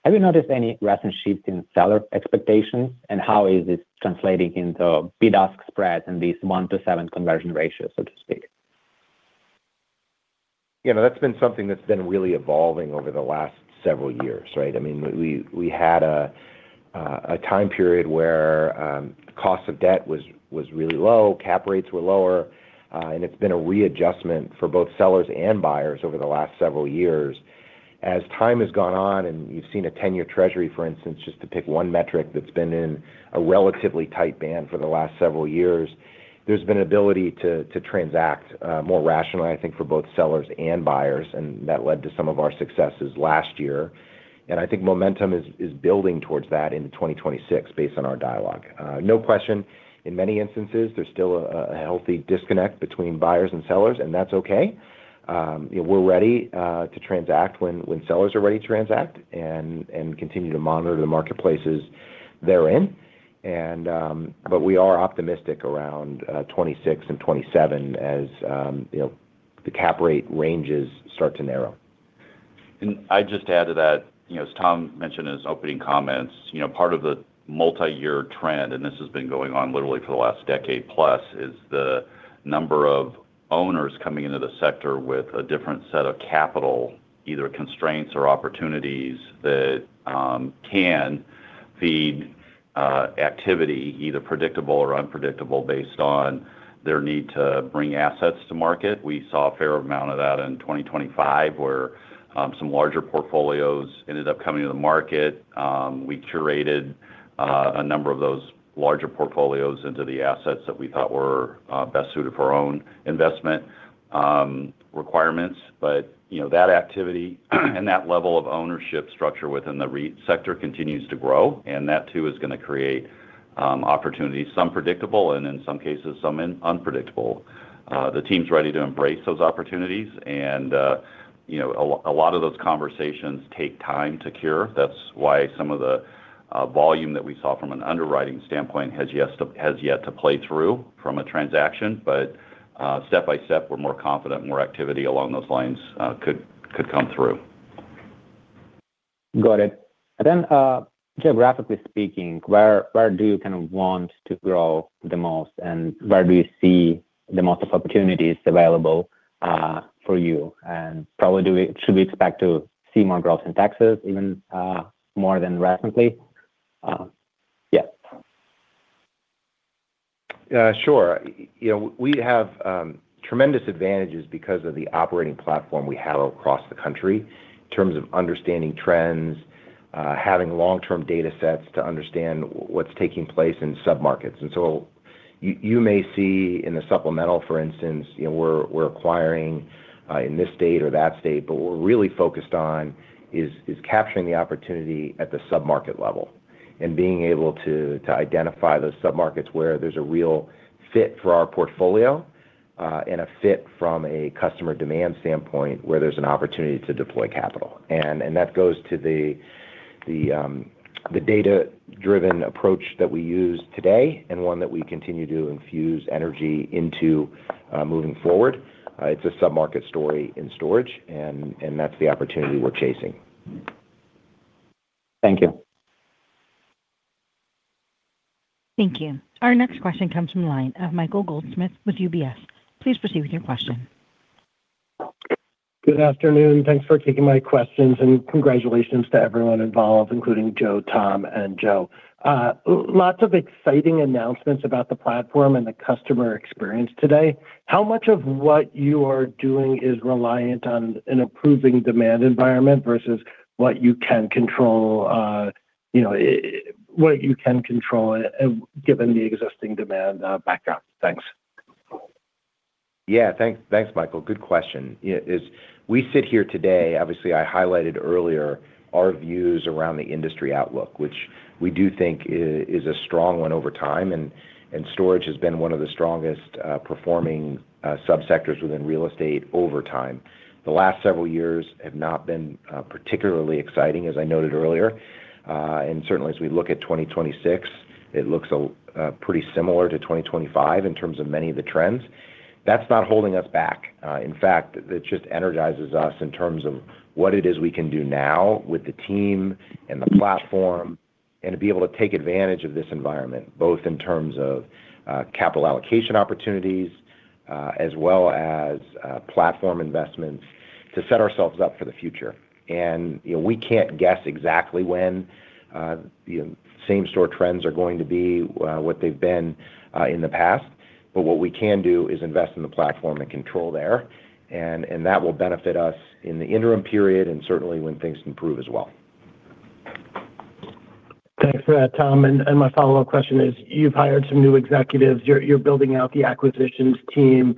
Have you noticed any recent shifts in seller expectations, and how is this translating into bid-ask spreads and this 1 to 7 conversion ratio, so to speak?
You know, that's been something that's been really evolving over the last several years, right? I mean, we had a time period where cost of debt was really low, cap rates were lower, and it's been a readjustment for both sellers and buyers over the last several years. As time has gone on, and you've seen a 10-year Treasury, for instance, just to pick one metric that's been in a relatively tight band for the last several years, there's been an ability to transact more rationally, I think, for both sellers and buyers, and that led to some of our successes last year. And I think momentum is building towards that into 2026 based on our dialogue. No question, in many instances, there's still a healthy disconnect between buyers and sellers, and that's okay. you know, we're ready to transact when sellers are ready to transact and continue to monitor the marketplaces they're in. But we are optimistic around 2026 and 2027 as you know, the cap rate ranges start to narrow.
I'd just add to that, you know, as Tom mentioned in his opening comments, you know, part of the multi-year trend, and this has been going on literally for the last decade plus, is the number of owners coming into the sector with a different set of capital, either constraints or opportunities, that, can-... feed, activity, either predictable or unpredictable, based on their need to bring assets to market. We saw a fair amount of that in 2025, where, some larger portfolios ended up coming to the market. We curated, a number of those larger portfolios into the assets that we thought were, best suited for our own investment, requirements. But, you know, that activity, and that level of ownership structure within the REIT sector continues to grow, and that too, is gonna create, opportunities, some predictable, and in some cases, some unpredictable. The team's ready to embrace those opportunities, and, you know, a lot of those conversations take time to cure. That's why some of the, volume that we saw from an underwriting standpoint has yet to play through from a transaction. But step by step, we're more confident more activity along those lines could come through.
Got it. And then, geographically speaking, where, where do you kind of want to grow the most, and where do you see the most of opportunities available, for you? And probably, should we expect to see more growth in Texas, even, more than recently? Yeah.
Yeah, sure. You know, we have tremendous advantages because of the operating platform we have across the country, in terms of understanding trends, having long-term datasets to understand what's taking place in submarkets. And so you may see in the supplemental, for instance, you know, we're acquiring in this state or that state, but what we're really focused on is capturing the opportunity at the submarket level, and being able to identify those submarkets where there's a real fit for our portfolio, and a fit from a customer demand standpoint, where there's an opportunity to deploy capital. And that goes to the data-driven approach that we use today, and one that we continue to infuse energy into, moving forward. It's a submarket story in storage, and that's the opportunity we're chasing.
Thank you.
Thank you. Our next question comes from the line of Michael Goldsmith with UBS. Please proceed with your question.
Good afternoon. Thanks for taking my questions, and congratulations to everyone involved, including Joe, Tom, and Joe. Lots of exciting announcements about the platform and the customer experience today. How much of what you are doing is reliant on an improving demand environment versus what you can control, you know, what you can control, given the existing demand background? Thanks.
Yeah, thanks. Thanks, Michael. Good question. Yeah, as we sit here today, obviously, I highlighted earlier our views around the industry outlook, which we do think is a strong one over time, and storage has been one of the strongest performing subsectors within real estate over time. The last several years have not been particularly exciting, as I noted earlier, and certainly as we look at 2026, it looks pretty similar to 2025 in terms of many of the trends. That's not holding us back. In fact, it just energizes us in terms of what it is we can do now with the team and the platform, and to be able to take advantage of this environment, both in terms of capital allocation opportunities, as well as platform investments to set ourselves up for the future. You know, we can't guess exactly when the same store trends are going to be what they've been in the past, but what we can do is invest in the platform and control there, and that will benefit us in the interim period and certainly when things improve as well.
Thanks for that, Tom. And my follow-up question is: You've hired some new executives, you're building out the acquisitions team.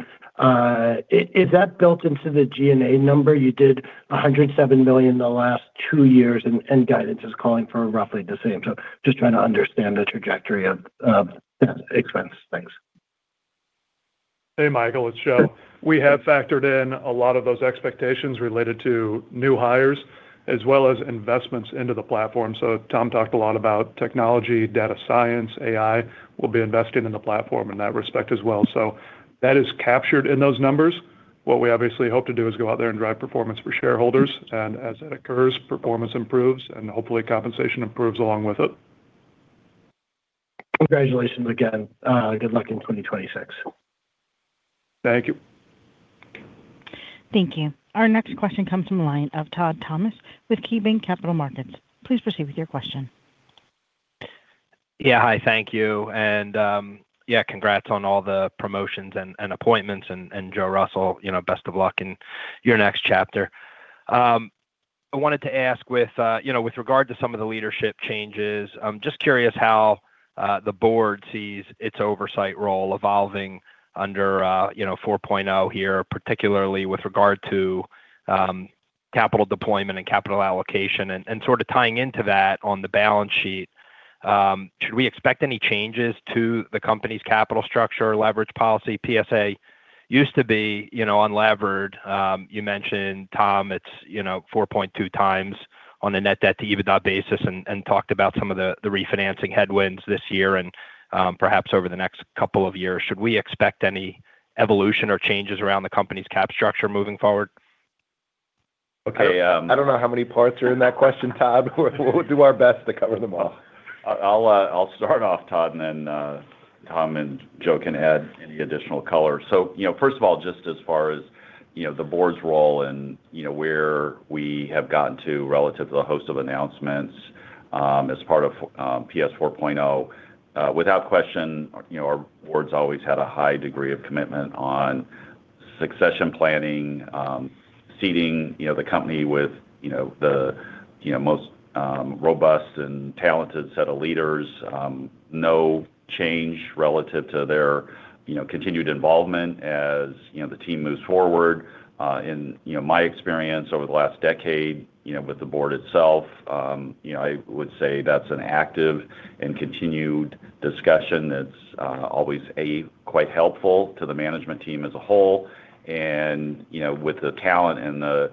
Is that built into the G&A number? You did $107 million in the last two years, and guidance is calling for roughly the same. So just trying to understand the trajectory of expense. Thanks.
Hey, Michael, it's Joe. We have factored in a lot of those expectations related to new hires, as well as investments into the platform. So Tom talked a lot about technology, data science, AI. We'll be investing in the platform in that respect as well. So that is captured in those numbers. What we obviously hope to do is go out there and drive performance for shareholders, and as it occurs, performance improves, and hopefully compensation improves along with it.
Congratulations again. Good luck in 2026.
Thank you.
Thank you. Our next question comes from the line of Todd Thomas with KeyBanc Capital Markets. Please proceed with your question.
Yeah. Hi, thank you. And, yeah, congrats on all the promotions and appointments, and Joe Russell, you know, best of luck in your next chapter. I wanted to ask with, you know, with regard to some of the leadership changes, I'm just curious how the board sees its oversight role evolving under, you know, 4.0 here, particularly with regard to capital deployment and capital allocation. And sort of tying into that on the balance sheet, should we expect any changes to the company's capital structure or leverage policy? PSA used to be, you know, unlevered. You mentioned, Tom, it's, you know, 4.2x on the net debt to EBITDA basis, and talked about some of the refinancing headwinds this year and perhaps over the next couple of years. Should we expect any evolution or changes around the company's cap structure moving forward?
Okay, um- I don't know how many parts are in that question, Todd. We'll do our best to cover them all.
I'll start off, Todd, and then-... Tom and Joe can add any additional color. So, you know, first of all, just as far as, you know, the board's role and, you know, where we have gotten to relative to the host of announcements, as part of PS 4.0, without question, you know, our board's always had a high degree of commitment on succession planning, seating, you know, the company with, you know, the, you know, most robust and talented set of leaders, no change relative to their, you know, continued involvement as, you know, the team moves forward. In, you know, my experience over the last decade, you know, with the board itself, you know, I would say that's an active and continued discussion that's always quite helpful to the management team as a whole. You know, with the talent and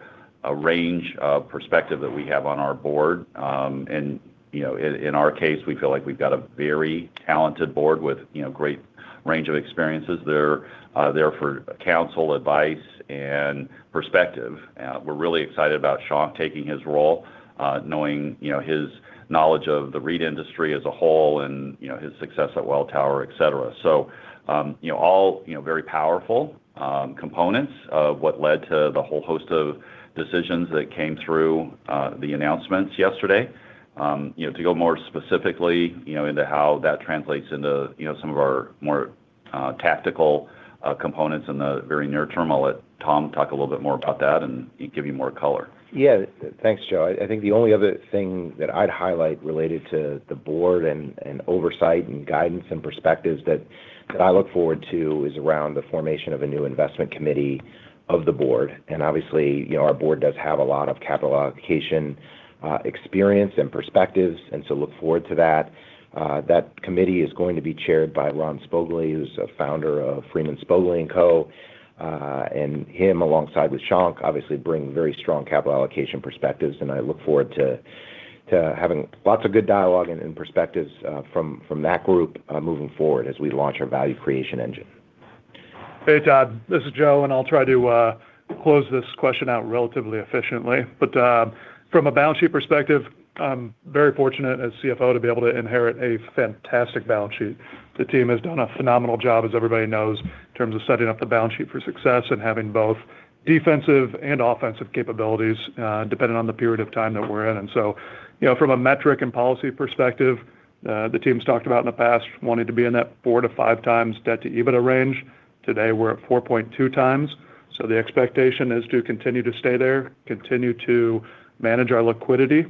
a range of perspective that we have on our board, and you know, in our case, we feel like we've got a very talented board with you know, great range of experiences. They're there for counsel, advice, and perspective. We're really excited about Shankh taking his role, knowing you know, his knowledge of the REIT industry as a whole and you know, his success at Welltower, et cetera. So you know, all very powerful components of what led to the whole host of decisions that came through the announcements yesterday. You know, to go more specifically, you know, into how that translates into, you know, some of our more tactical components in the very near term, I'll let Tom talk a little bit more about that, and he'd give you more color.
Yeah. Thanks, Joe. I think the only other thing that I'd highlight related to the board and oversight, and guidance, and perspectives that I look forward to is around the formation of a new investment committee of the board. And obviously, you know, our board does have a lot of capital allocation experience and perspectives, and so look forward to that. That committee is going to be chaired by Ron Spogli, who's a founder of Freeman Spogli & Co. And him, alongside with Shankh, obviously, bring very strong capital allocation perspectives, and I look forward to having lots of good dialogue and perspectives from that group moving forward as we launch our value creation engine.
Hey, Todd, this is Joe, and I'll try to close this question out relatively efficiently. But, from a balance sheet perspective, I'm very fortunate as CFO to be able to inherit a fantastic balance sheet. The team has done a phenomenal job, as everybody knows, in terms of setting up the balance sheet for success and having both defensive and offensive capabilities, depending on the period of time that we're in. And so, you know, from a metric and policy perspective, the team's talked about in the past, wanting to be in that 4x-5x debt to EBITDA range. Today, we're at 4.2 times, so the expectation is to continue to stay there, continue to manage our liquidity,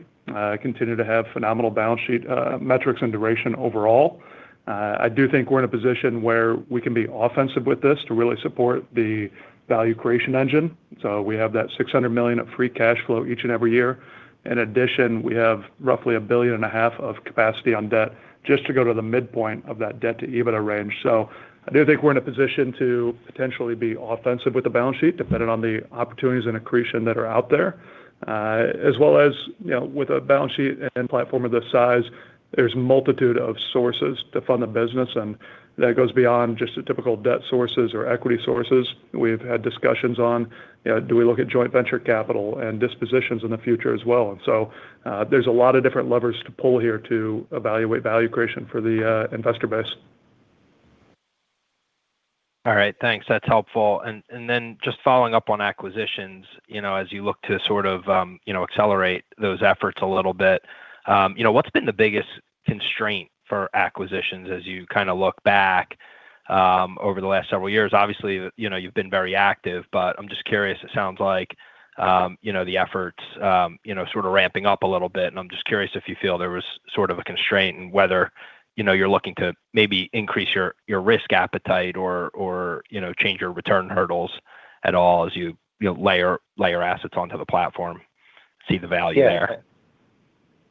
continue to have phenomenal balance sheet metrics and duration overall. I do think we're in a position where we can be offensive with this to really support the value creation engine. So we have that $600 million of free cash flow each and every year. In addition, we have roughly $1.5 billion of capacity on debt just to go to the midpoint of that debt to EBITDA range. So I do think we're in a position to potentially be offensive with the balance sheet, depending on the opportunities and accretion that are out there. As well as, you know, with a balance sheet and platform of this size, there's multitude of sources to fund the business, and that goes beyond just the typical debt sources or equity sources. We've had discussions on, do we look at joint venture capital and dispositions in the future as well? There's a lot of different levers to pull here to evaluate value creation for the investor base.
All right, thanks. That's helpful. And, and then just following up on acquisitions, you know, as you look to sort of, you know, accelerate those efforts a little bit, you know, what's been the biggest constraint for acquisitions as you kinda look back over the last several years? Obviously, you know, you've been very active, but I'm just curious. It sounds like, you know, the efforts, you know, sort of ramping up a little bit, and I'm just curious if you feel there was sort of a constraint and whether, you know, you're looking to maybe increase your, your risk appetite or, or, you know, change your return hurdles at all as you, you know, layer, layer assets onto the platform, see the value there?
Yeah.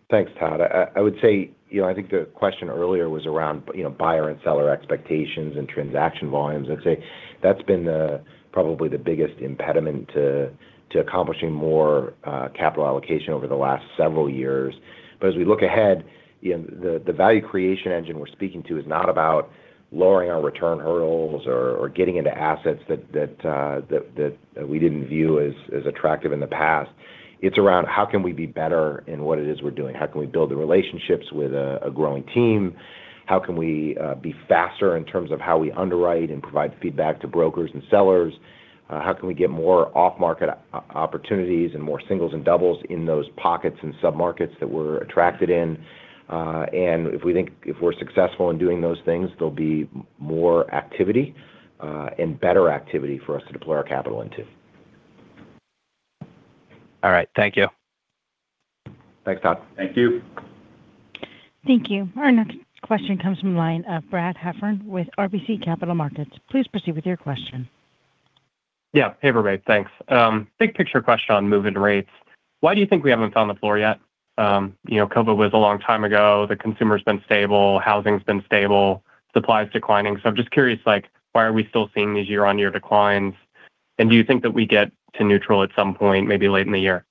Thanks, Todd. I would say... You know, I think the question earlier was around, you know, buyer and seller expectations and transaction volumes. I'd say that's been the, probably the biggest impediment to accomplishing more capital allocation over the last several years. But as we look ahead, you know, the value creation engine we're speaking to is not about lowering our return hurdles or getting into assets that we didn't view as attractive in the past. It's around: How can we be better in what it is we're doing? How can we build the relationships with a growing team? How can we be faster in terms of how we underwrite and provide feedback to brokers and sellers? How can we get more off-market opportunities and more singles and doubles in those pockets and submarkets that we're attracted in? And if we're successful in doing those things, there'll be more activity, and better activity for us to deploy our capital into.
All right. Thank you.
Thanks, Todd.
Thank you.
Thank you. Our next question comes from the line of Brad Heffern with RBC Capital Markets. Please proceed with your question.
Yeah, hey, everybody. Thanks. Big picture question on move-in rates: Why do you think we haven't found the floor yet? You know, COVID was a long time ago. The consumer's been stable, housing's been stable, supply is declining. So I'm just curious, like, why are we still seeing these year-on-year declines? And do you think that we get to neutral at some point, maybe late in the year?...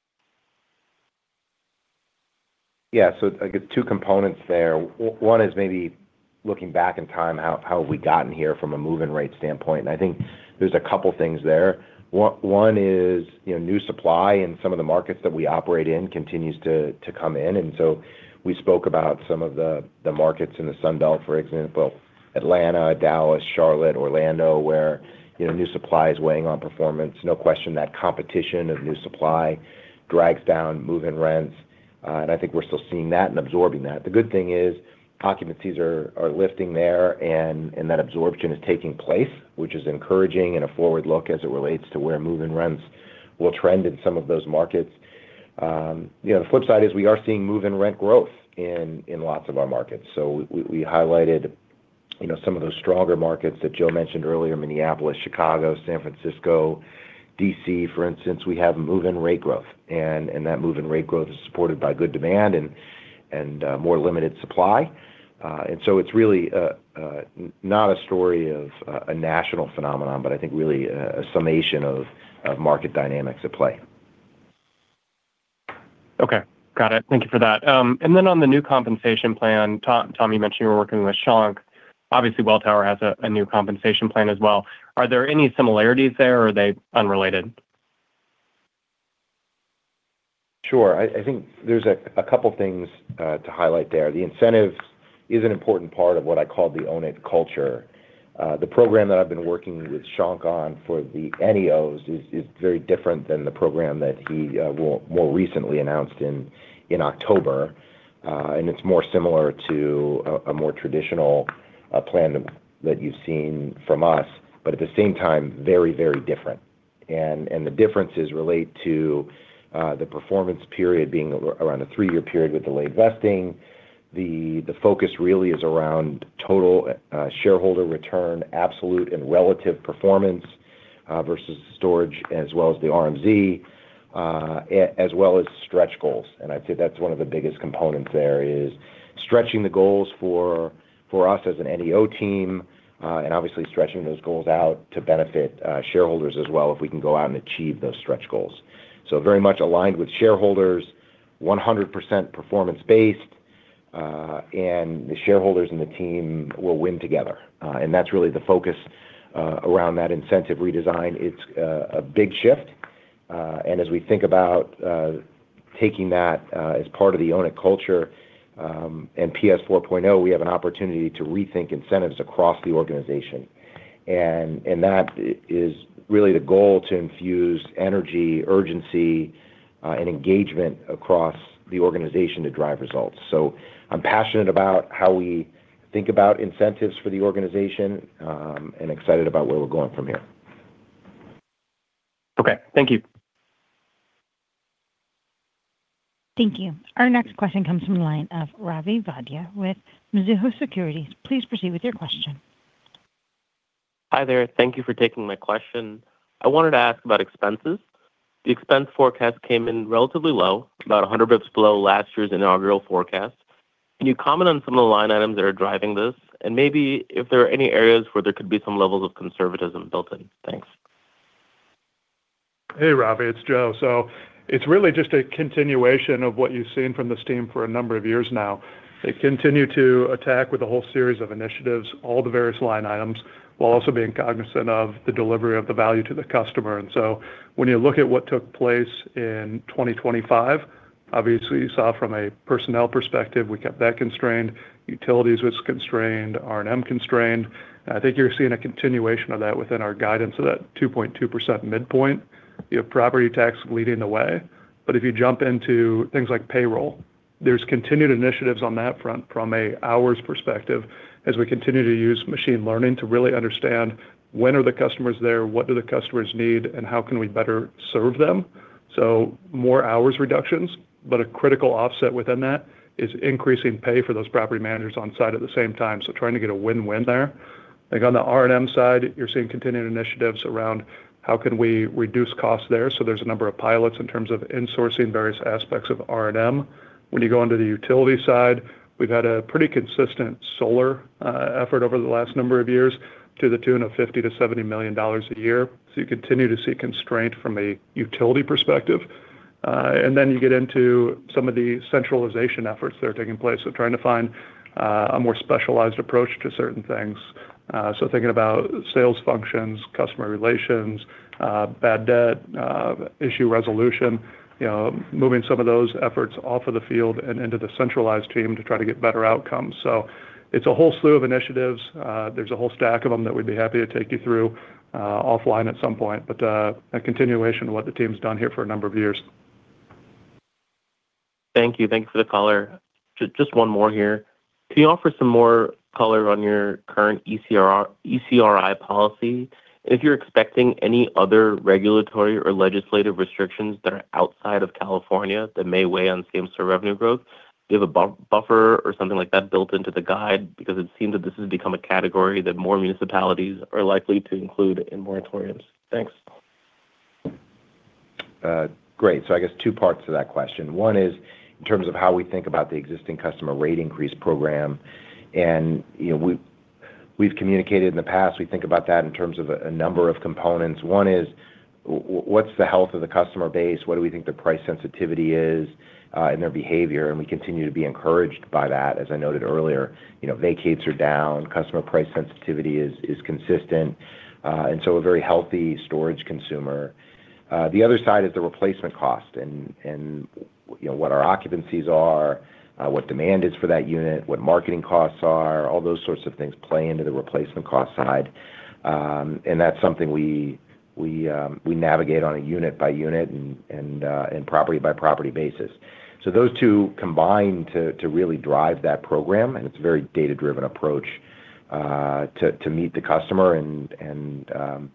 Yeah, so I guess two components there. One is maybe looking back in time, how have we gotten here from a move-in rate standpoint? And I think there's a couple things there. One is, you know, new supply in some of the markets that we operate in continues to come in. And so we spoke about some of the markets in the Sun Belt, for example, Atlanta, Dallas, Charlotte, Orlando, where, you know, new supply is weighing on performance. No question that competition of new supply drags down move-in rents, and I think we're still seeing that and absorbing that. The good thing is occupancies are lifting there and that absorption is taking place, which is encouraging in a forward look as it relates to where move-in rents will trend in some of those markets. You know, the flip side is we are seeing move-in rent growth in lots of our markets. So we highlighted, you know, some of those stronger markets that Joe mentioned earlier, Minneapolis, Chicago, San Francisco, D.C., for instance, we have move-in rate growth. And that move-in rate growth is supported by good demand and more limited supply. And so it's really not a story of a national phenomenon, but I think really a summation of market dynamics at play.
Okay. Got it. Thank you for that. And then on the new compensation plan, Tom, you mentioned you were working with Shankh. Obviously, Welltower has a new compensation plan as well. Are there any similarities there or are they unrelated?
Sure. I think there's a couple things to highlight there. The incentives is an important part of what I call the own it culture. The program that I've been working with Shankh on for the NEOs is very different than the program that he more recently announced in October. And it's more similar to a more traditional plan that you've seen from us, but at the same time, very, very different. And the differences relate to the performance period being around a three-year period with delayed vesting. The focus really is around total shareholder return, absolute and relative performance versus storage, as well as the RMZ, as well as stretch goals. And I'd say that's one of the biggest components there, is stretching the goals for us as an NEO team, and obviously stretching those goals out to benefit shareholders as well if we can go out and achieve those stretch goals. So very much aligned with shareholders, 100% performance-based, and the shareholders and the team will win together. And that's really the focus around that incentive redesign. It's a big shift, and as we think about taking that as part of the own it culture, and PS 4.0, we have an opportunity to rethink incentives across the organization. And that is really the goal, to infuse energy, urgency, and engagement across the organization to drive results. I'm passionate about how we think about incentives for the organization, and excited about where we're going from here.
Okay, thank you.
Thank you. Our next question comes from the line of Ravi Vaidya with Mizuho Securities. Please proceed with your question.
Hi there. Thank you for taking my question. I wanted to ask about expenses. The expense forecast came in relatively low, about 100 basis points below last year's inaugural forecast. Can you comment on some of the line items that are driving this, and maybe if there are any areas where there could be some levels of conservatism built in? Thanks.
Hey, Ravi, it's Joe. So it's really just a continuation of what you've seen from this team for a number of years now. They continue to attack with a whole series of initiatives, all the various line items, while also being cognizant of the delivery of the value to the customer. And so when you look at what took place in 2025, obviously, you saw from a personnel perspective, we kept that constrained. Utilities was constrained, R&M constrained. I think you're seeing a continuation of that within our guidance of that 2.2% midpoint, you have property tax leading the way. But if you jump into things like payroll, there's continued initiatives on that front from a hours perspective, as we continue to use machine learning to really understand when are the customers there, what do the customers need, and how can we better serve them? So more hours reductions, but a critical offset within that is increasing pay for those property managers on site at the same time. So trying to get a win-win there. I think on the R&M side, you're seeing continued initiatives around how can we reduce costs there. So there's a number of pilots in terms of insourcing various aspects of R&M. When you go onto the utility side, we've had a pretty consistent solar effort over the last number of years to the tune of $50 million-$70 million a year. So you continue to see constraint from a utility perspective. And then you get into some of the centralization efforts that are taking place. So trying to find a more specialized approach to certain things. So thinking about sales functions, customer relations, bad debt, issue resolution, you know, moving some of those efforts off of the field and into the centralized team to try to get better outcomes. So it's a whole slew of initiatives. There's a whole stack of them that we'd be happy to take you through, offline at some point, but a continuation of what the team's done here for a number of years.
Thank you. Thank you for the color. Just one more here. Can you offer some more color on your current ECRI, ECRI policy? If you're expecting any other regulatory or legislative restrictions that are outside of California that may weigh on same-store revenue growth, do you have a buffer or something like that built into the guide? Because it seems that this has become a category that more municipalities are likely to include in moratoriums. Thanks.
Great. I guess two parts to that question. One is in terms of how we think about the existing customer rate increase program, and, you know, we've communicated in the past, we think about that in terms of a number of components. One is what's the health of the customer base? What do we think the price sensitivity is in their behavior? And we continue to be encouraged by that. As I noted earlier, you know, vacates are down, customer price sensitivity is consistent, and so a very healthy storage consumer. The other side is the replacement cost, and you know, what our occupancies are, what demand is for that unit, what marketing costs are, all those sorts of things play into the replacement cost side. That's something we navigate on a unit-by-unit and property-by-property basis. Those two combine to really drive that program, and it's a very data-driven approach to meet the customer and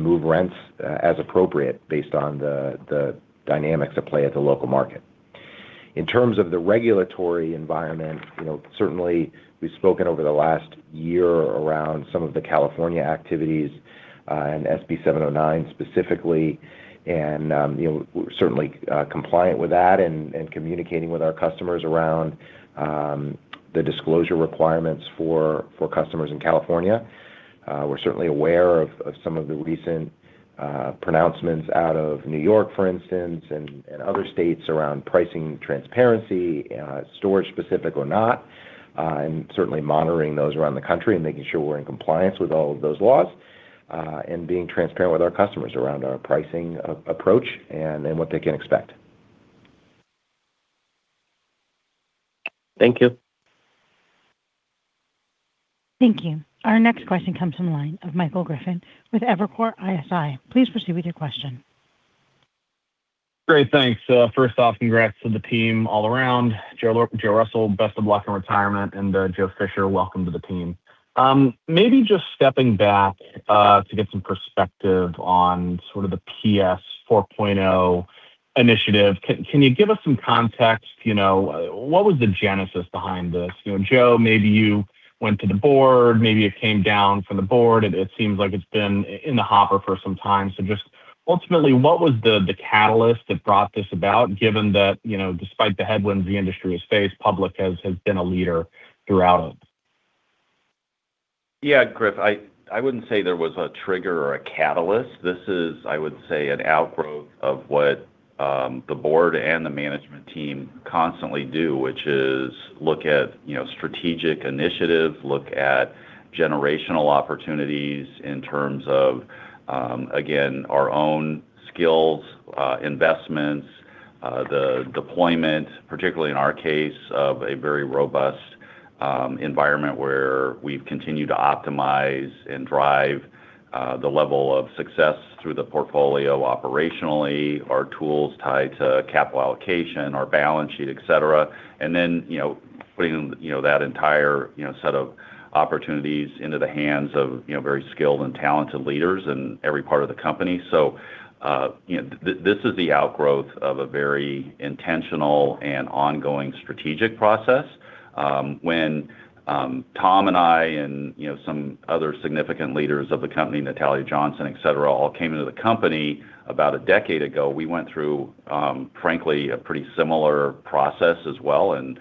move rents as appropriate based on the dynamics at play at the local market. In terms of the regulatory environment, you know, certainly we've spoken over the last year around some of the California activities, and SB 709 specifically, and you know certainly compliant with that and communicating with our customers around the disclosure requirements for customers in California. We're certainly aware of some of the recent pronouncements out of New York, for instance, and other states around pricing transparency, storage-specific or not, and certainly monitoring those around the country and making sure we're in compliance with all of those laws, and being transparent with our customers around our pricing approach and what they can expect.
Thank you.
Thank you. Our next question comes from the line of Michael Griffin with Evercore ISI. Please proceed with your question.
Great, thanks. First off, congrats to the team all around. Joe Russell, best of luck in retirement, and Joe Fisher, welcome to the team. Maybe just stepping back to get some perspective on sort of the PS 4.0 initiative, can you give us some context? You know, what was the genesis behind this? You know, Joe, maybe you went to the board, maybe it came down from the board, and it seems like it's been in the hopper for some time. So just ultimately, what was the catalyst that brought this about, given that, you know, despite the headwinds the industry has faced, Public has been a leader throughout it?
Yeah, Griff, I wouldn't say there was a trigger or a catalyst. This is, I would say, an outgrowth of what the board and the management team constantly do, which is look at, you know, strategic initiatives, look at generational opportunities in terms of, again, our own skills, investments, the deployment, particularly in our case, of a very robust, environment where we've continued to optimize and drive the level of success through the portfolio operationally, our tools tied to capital allocation, our balance sheet, et cetera. And then, you know, putting, you know, that entire, you know, set of opportunities into the hands of, you know, very skilled and talented leaders in every part of the company. So, you know, this is the outgrowth of a very intentional and ongoing strategic process. When Tom and I and, you know, some other significant leaders of the company, Natalia Johnson, et cetera, all came into the company about a decade ago, we went through, frankly, a pretty similar process as well, and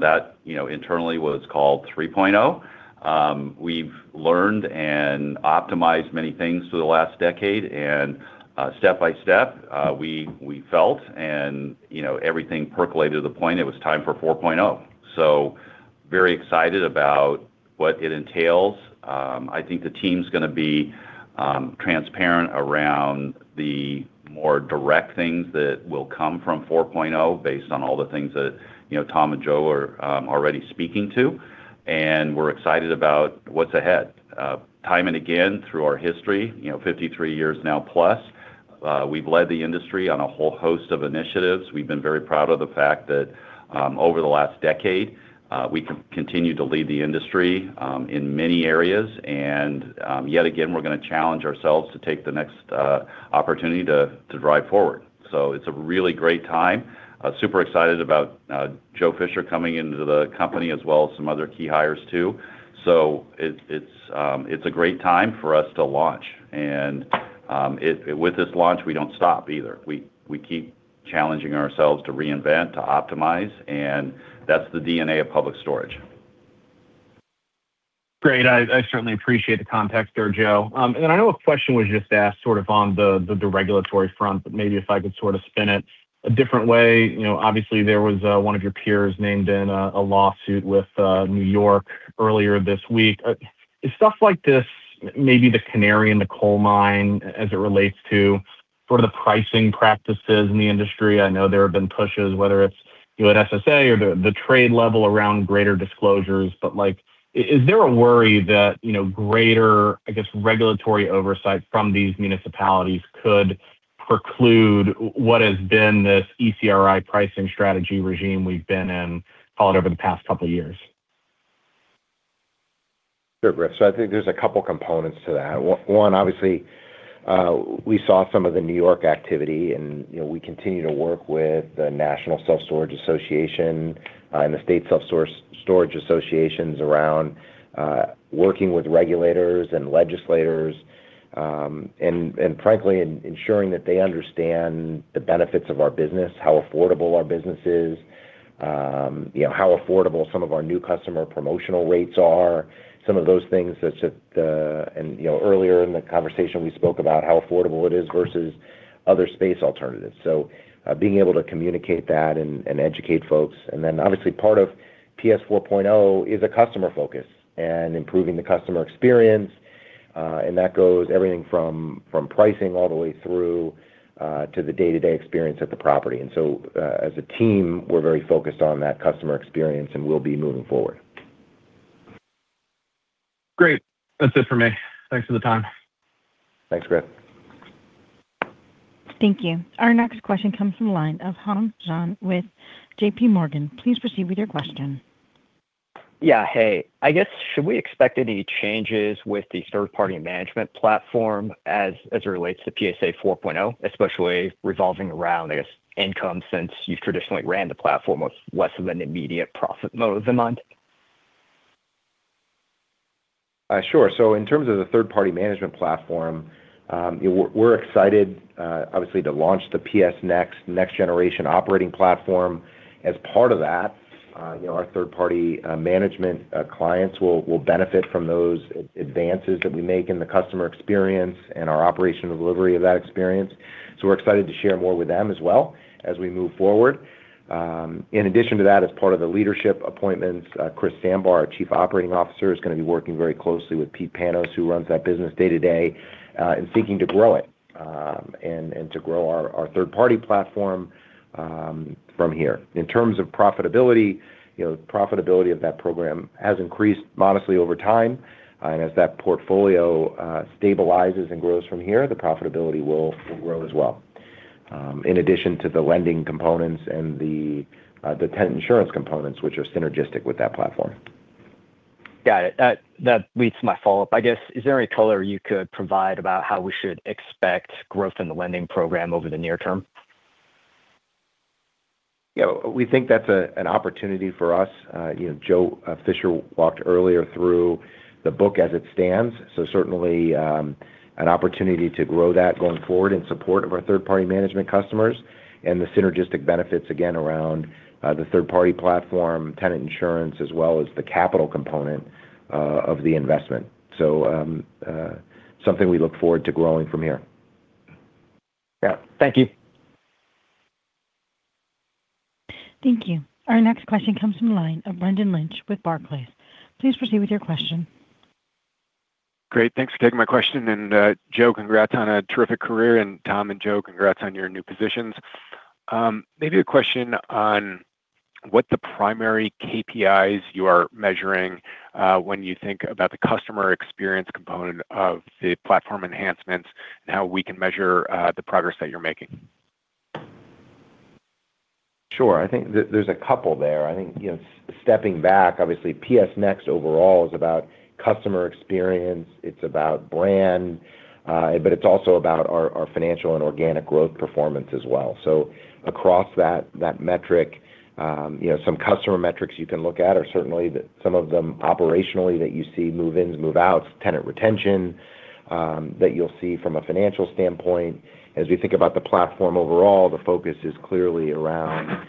that, you know, internally, was called 3.0. We've learned and optimized many things through the last decade, and step by step, we felt and, you know, everything percolated to the point it was time for 4.0. So very excited about what it entails. I think the team's gonna be transparent around the more direct things that will come from 4.0, based on all the things that, you know, Tom and Joe are already speaking to, and we're excited about what's ahead. Time and again, through our history, you know, 53 years now plus, we've led the industry on a whole host of initiatives. We've been very proud of the fact that, over the last decade, we continued to lead the industry in many areas, and yet again, we're gonna challenge ourselves to take the next opportunity to drive forward. So it's a really great time. Super excited about Joe Fisher coming into the company, as well as some other key hires, too. So it's a great time for us to launch, and with this launch, we don't stop either. We keep challenging ourselves to reinvent, to optimize, and that's the DNA of Public Storage.
Great. I certainly appreciate the context there, Joe. And I know a question was just asked sort of on the regulatory front, but maybe if I could sort of spin it a different way. You know, obviously, there was one of your peers named in a lawsuit with New York earlier this week. Is stuff like this, maybe the canary in the coal mine as it relates to sort of the pricing practices in the industry? I know there have been pushes, whether it's, you know, at SSA or the trade level around greater disclosures, but, like, is there a worry that, you know, greater, I guess, regulatory oversight from these municipalities could preclude what has been this ECRI pricing strategy regime we've been followed over the past couple years?...
Sure, Griff. So I think there's a couple components to that. One, obviously, we saw some of the New York activity, and, you know, we continue to work with the National Self Storage Association, and the state self-storage associations around, working with regulators and legislators, and, frankly, ensuring that they understand the benefits of our business, how affordable our business is, you know, how affordable some of our new customer promotional rates are, some of those things that's at the-- And, you know, earlier in the conversation, we spoke about how affordable it is versus other space alternatives. So, being able to communicate that and educate folks. Then, obviously, part of PS 4.0 is a customer focus and improving the customer experience, and that goes everything from pricing all the way through to the day-to-day experience at the property. So, as a team, we're very focused on that customer experience, and we'll be moving forward.
Great! That's it for me. Thanks for the time.
Thanks, Griff.
Thank you. Our next question comes from the line of Hong Zhang with JP Morgan. Please proceed with your question.
Yeah, hey. I guess, should we expect any changes with the third-party management platform as it relates to PS 4.0, especially revolving around, I guess, income, since you've traditionally ran the platform with less of an immediate profit motive in mind?
Sure. So in terms of the third-party management platform, we're, we're excited, obviously to launch the PS Next, next generation operating platform. As part of that, you know, our third-party, management, clients will, will benefit from those advances that we make in the customer experience and our operational delivery of that experience. So we're excited to share more with them as well as we move forward. In addition to that, as part of the leadership appointments, Chris Sambar, our Chief Operating Officer, is gonna be working very closely with Pete Panos, who runs that business day-to-day, and seeking to grow it, and, and to grow our, our third-party platform, from here. In terms of profitability, you know, the profitability of that program has increased modestly over time, and as that portfolio stabilizes and grows from here, the profitability will, will grow as well, in addition to the lending components and the tenant insurance components, which are synergistic with that platform.
Got it. That, that leads to my follow-up. I guess, is there any color you could provide about how we should expect growth in the lending program over the near term?
Yeah, we think that's an opportunity for us. You know, Joe Fisher walked earlier through the book as it stands, so certainly an opportunity to grow that going forward in support of our third-party management customers and the synergistic benefits, again, around the third-party platform, tenant insurance, as well as the capital component of the investment. So, something we look forward to growing from here.
Yeah. Thank you.
Thank you. Our next question comes from the line of Brendan Lynch with Barclays. Please proceed with your question.
Great. Thanks for taking my question. Joe, congrats on a terrific career, and Tom and Joe, congrats on your new positions. Maybe a question on what the primary KPIs you are measuring, when you think about the customer experience component of the platform enhancements and how we can measure, the progress that you're making.
Sure. I think there's a couple there. I think, you know, stepping back, obviously, PS Next overall is about customer experience, it's about brand, but it's also about our financial and organic growth performance as well. So across that metric, you know, some customer metrics you can look at are certainly some of them operationally that you see, move-ins, move-outs, tenant retention, that you'll see from a financial standpoint. As we think about the platform overall, the focus is clearly around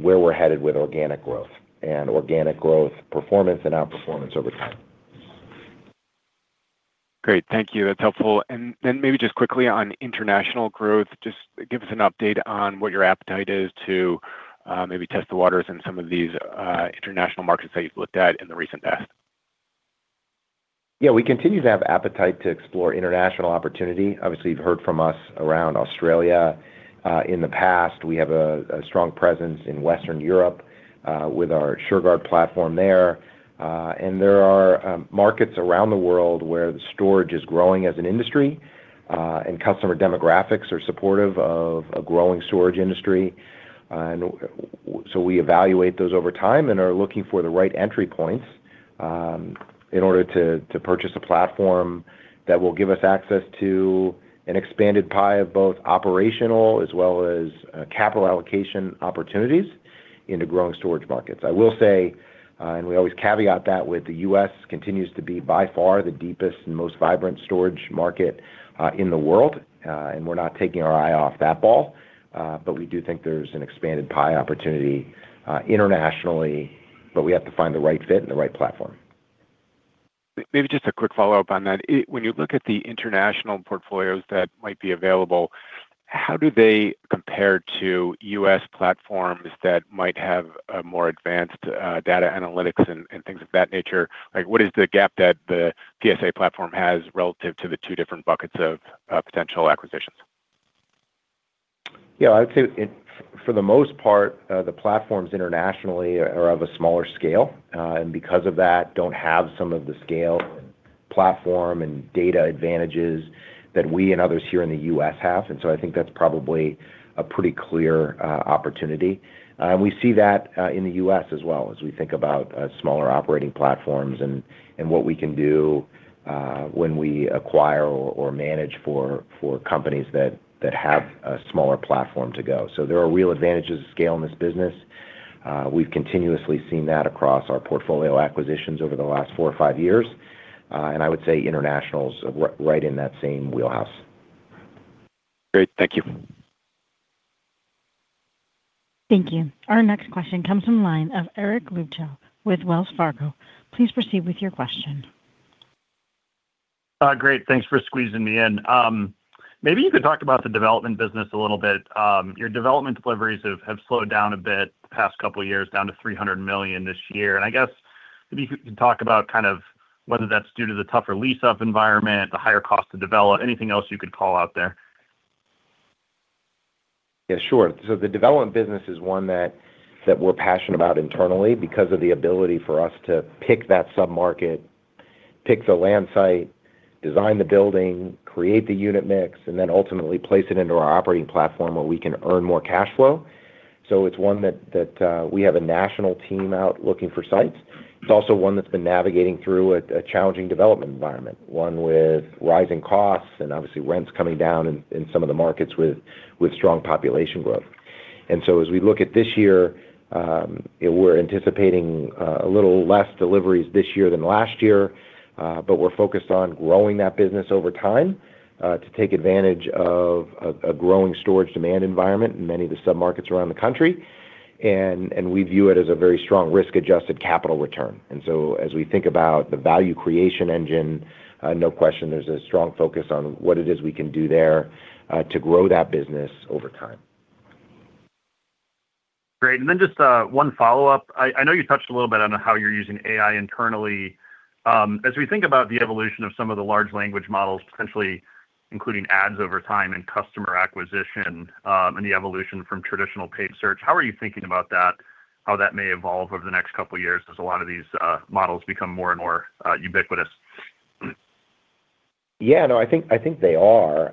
where we're headed with organic growth and organic growth performance and outperformance over time.
Great. Thank you. That's helpful. And then maybe just quickly on international growth, just give us an update on what your appetite is to maybe test the waters in some of these international markets that you've looked at in the recent past.
Yeah, we continue to have appetite to explore international opportunity. Obviously, you've heard from us around Australia in the past. We have a strong presence in Western Europe with our Shurgard platform there. And there are markets around the world where the storage is growing as an industry and customer demographics are supportive of a growing storage industry. So we evaluate those over time and are looking for the right entry points in order to purchase a platform that will give us access to an expanded pie of both operational as well as capital allocation opportunities into growing storage markets. I will say, and we always caveat that with the U.S. continues to be by far the deepest and most vibrant storage market in the world, and we're not taking our eye off that ball. We do think there's an expanded pie opportunity internationally, but we have to find the right fit and the right platform.
Maybe just a quick follow-up on that. When you look at the international portfolios that might be available, how do they compare to U.S. platforms that might have a more advanced data analytics and things of that nature? Like, what is the gap that the PSA platform has relative to the two different buckets of potential acquisitions?
Yeah, I would say, for the most part, the platforms internationally are of a smaller scale, and because of that, don't have some of the scale, platform and data advantages that we and others here in the U.S. have. And so I think that's probably a pretty clear opportunity. We see that in the U.S. as well as we think about smaller operating platforms and what we can do when we acquire or manage for companies that have a smaller platform to go. So there are real advantages of scale in this business. We've continuously seen that across our portfolio acquisitions over the last four or five years. And I would say international is right in that same wheelhouse.
Great. Thank you.
Thank you. Our next question comes from the line of Eric Luebchow with Wells Fargo. Please proceed with your question.
Great. Thanks for squeezing me in. Maybe you could talk about the development business a little bit. Your development deliveries have slowed down a bit the past couple of years, down to $300 million this year. I guess if you could talk about kind of whether that's due to the tougher lease-up environment, the higher cost to develop, anything else you could call out there?
Yeah, sure. So the development business is one that we're passionate about internally because of the ability for us to pick that submarket, pick the land site, design the building, create the unit mix, and then ultimately place it into our operating platform, where we can earn more cash flow. So it's one that we have a national team out looking for sites. It's also one that's been navigating through a challenging development environment, one with rising costs and obviously rents coming down in some of the markets with strong population growth. And so as we look at this year, we're anticipating a little less deliveries this year than last year, but we're focused on growing that business over time to take advantage of a growing storage demand environment in many of the submarkets around the country. We view it as a very strong risk-adjusted capital return. So as we think about the value creation engine, no question, there's a strong focus on what it is we can do there, to grow that business over time.
Great. And then just one follow-up. I, I know you touched a little bit on how you're using AI internally. As we think about the evolution of some of the large language models, potentially including ads over time and customer acquisition, and the evolution from traditional paid search, how are you thinking about that, how that may evolve over the next couple of years as a lot of these models become more and more ubiquitous?
Yeah, no, I think, I think they are.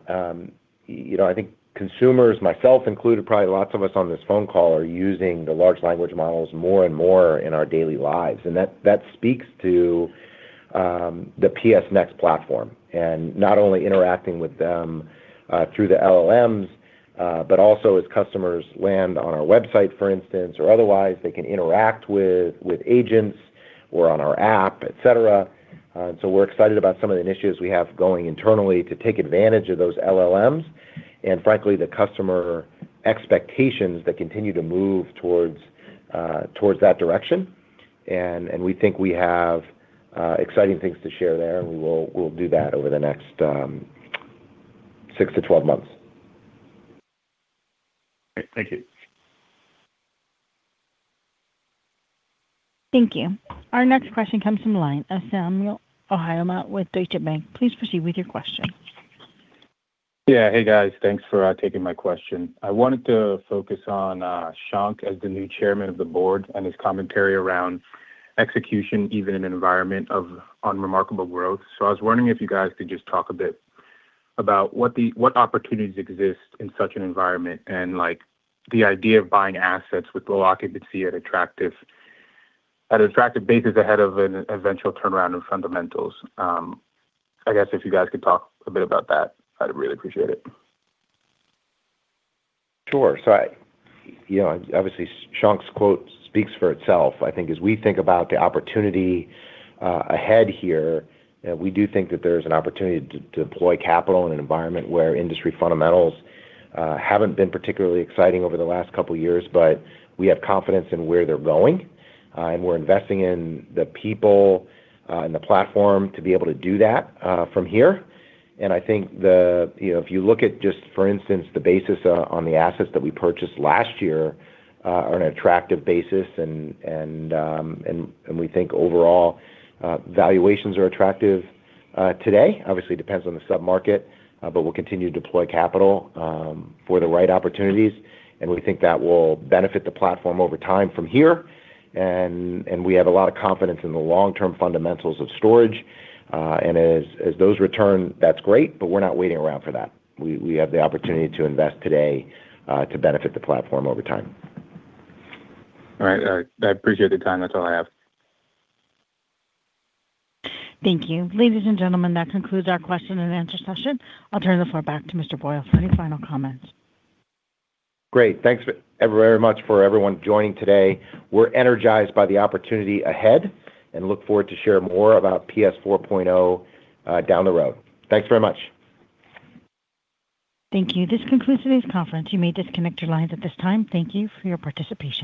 You know, I think consumers, myself included, probably lots of us on this phone call, are using the large language models more and more in our daily lives. And that, that speaks to the PS Next platform, and not only interacting with them through the LLMs, but also as customers land on our website, for instance, or otherwise, they can interact with agents or on our app, et cetera. So we're excited about some of the initiatives we have going internally to take advantage of those LLMs and, frankly, the customer expectations that continue to move towards that direction. And we think we have exciting things to share there, and we'll do that over the next six-12 months.
Great. Thank you.
Thank you. Our next question comes from line of Omotayo Okusanya with Deutsche Bank. Please proceed with your question.
Yeah. Hey, guys. Thanks for taking my question. I wanted to focus on Shankh as the new chairman of the board and his commentary around execution, even in an environment of unremarkable growth. So I was wondering if you guys could just talk a bit about what opportunities exist in such an environment, and, like, the idea of buying assets with low occupancy at attractive bases ahead of an eventual turnaround in fundamentals. I guess if you guys could talk a bit about that, I'd really appreciate it.
Sure. So I, you know, obviously, Shankh's quote speaks for itself. I think as we think about the opportunity ahead here, we do think that there's an opportunity to deploy capital in an environment where industry fundamentals haven't been particularly exciting over the last couple of years, but we have confidence in where they're going. And we're investing in the people and the platform to be able to do that from here. And I think the... You know, if you look at just, for instance, the basis on the assets that we purchased last year on an attractive basis, and we think overall valuations are attractive today. Obviously, it depends on the submarket, but we'll continue to deploy capital for the right opportunities, and we think that will benefit the platform over time from here. And we have a lot of confidence in the long-term fundamentals of storage, and as those return, that's great, but we're not waiting around for that. We have the opportunity to invest today to benefit the platform over time.
All right. I appreciate the time. That's all I have.
Thank you. Ladies and gentlemen, that concludes our question and answer session. I'll turn the floor back to Mr. Boyle for any final comments.
Great. Thanks very, very much for everyone joining today. We're energized by the opportunity ahead and look forward to share more about PS 4.0 down the road. Thanks very much.
Thank you. This concludes today's conference. You may disconnect your lines at this time. Thank you for your participation.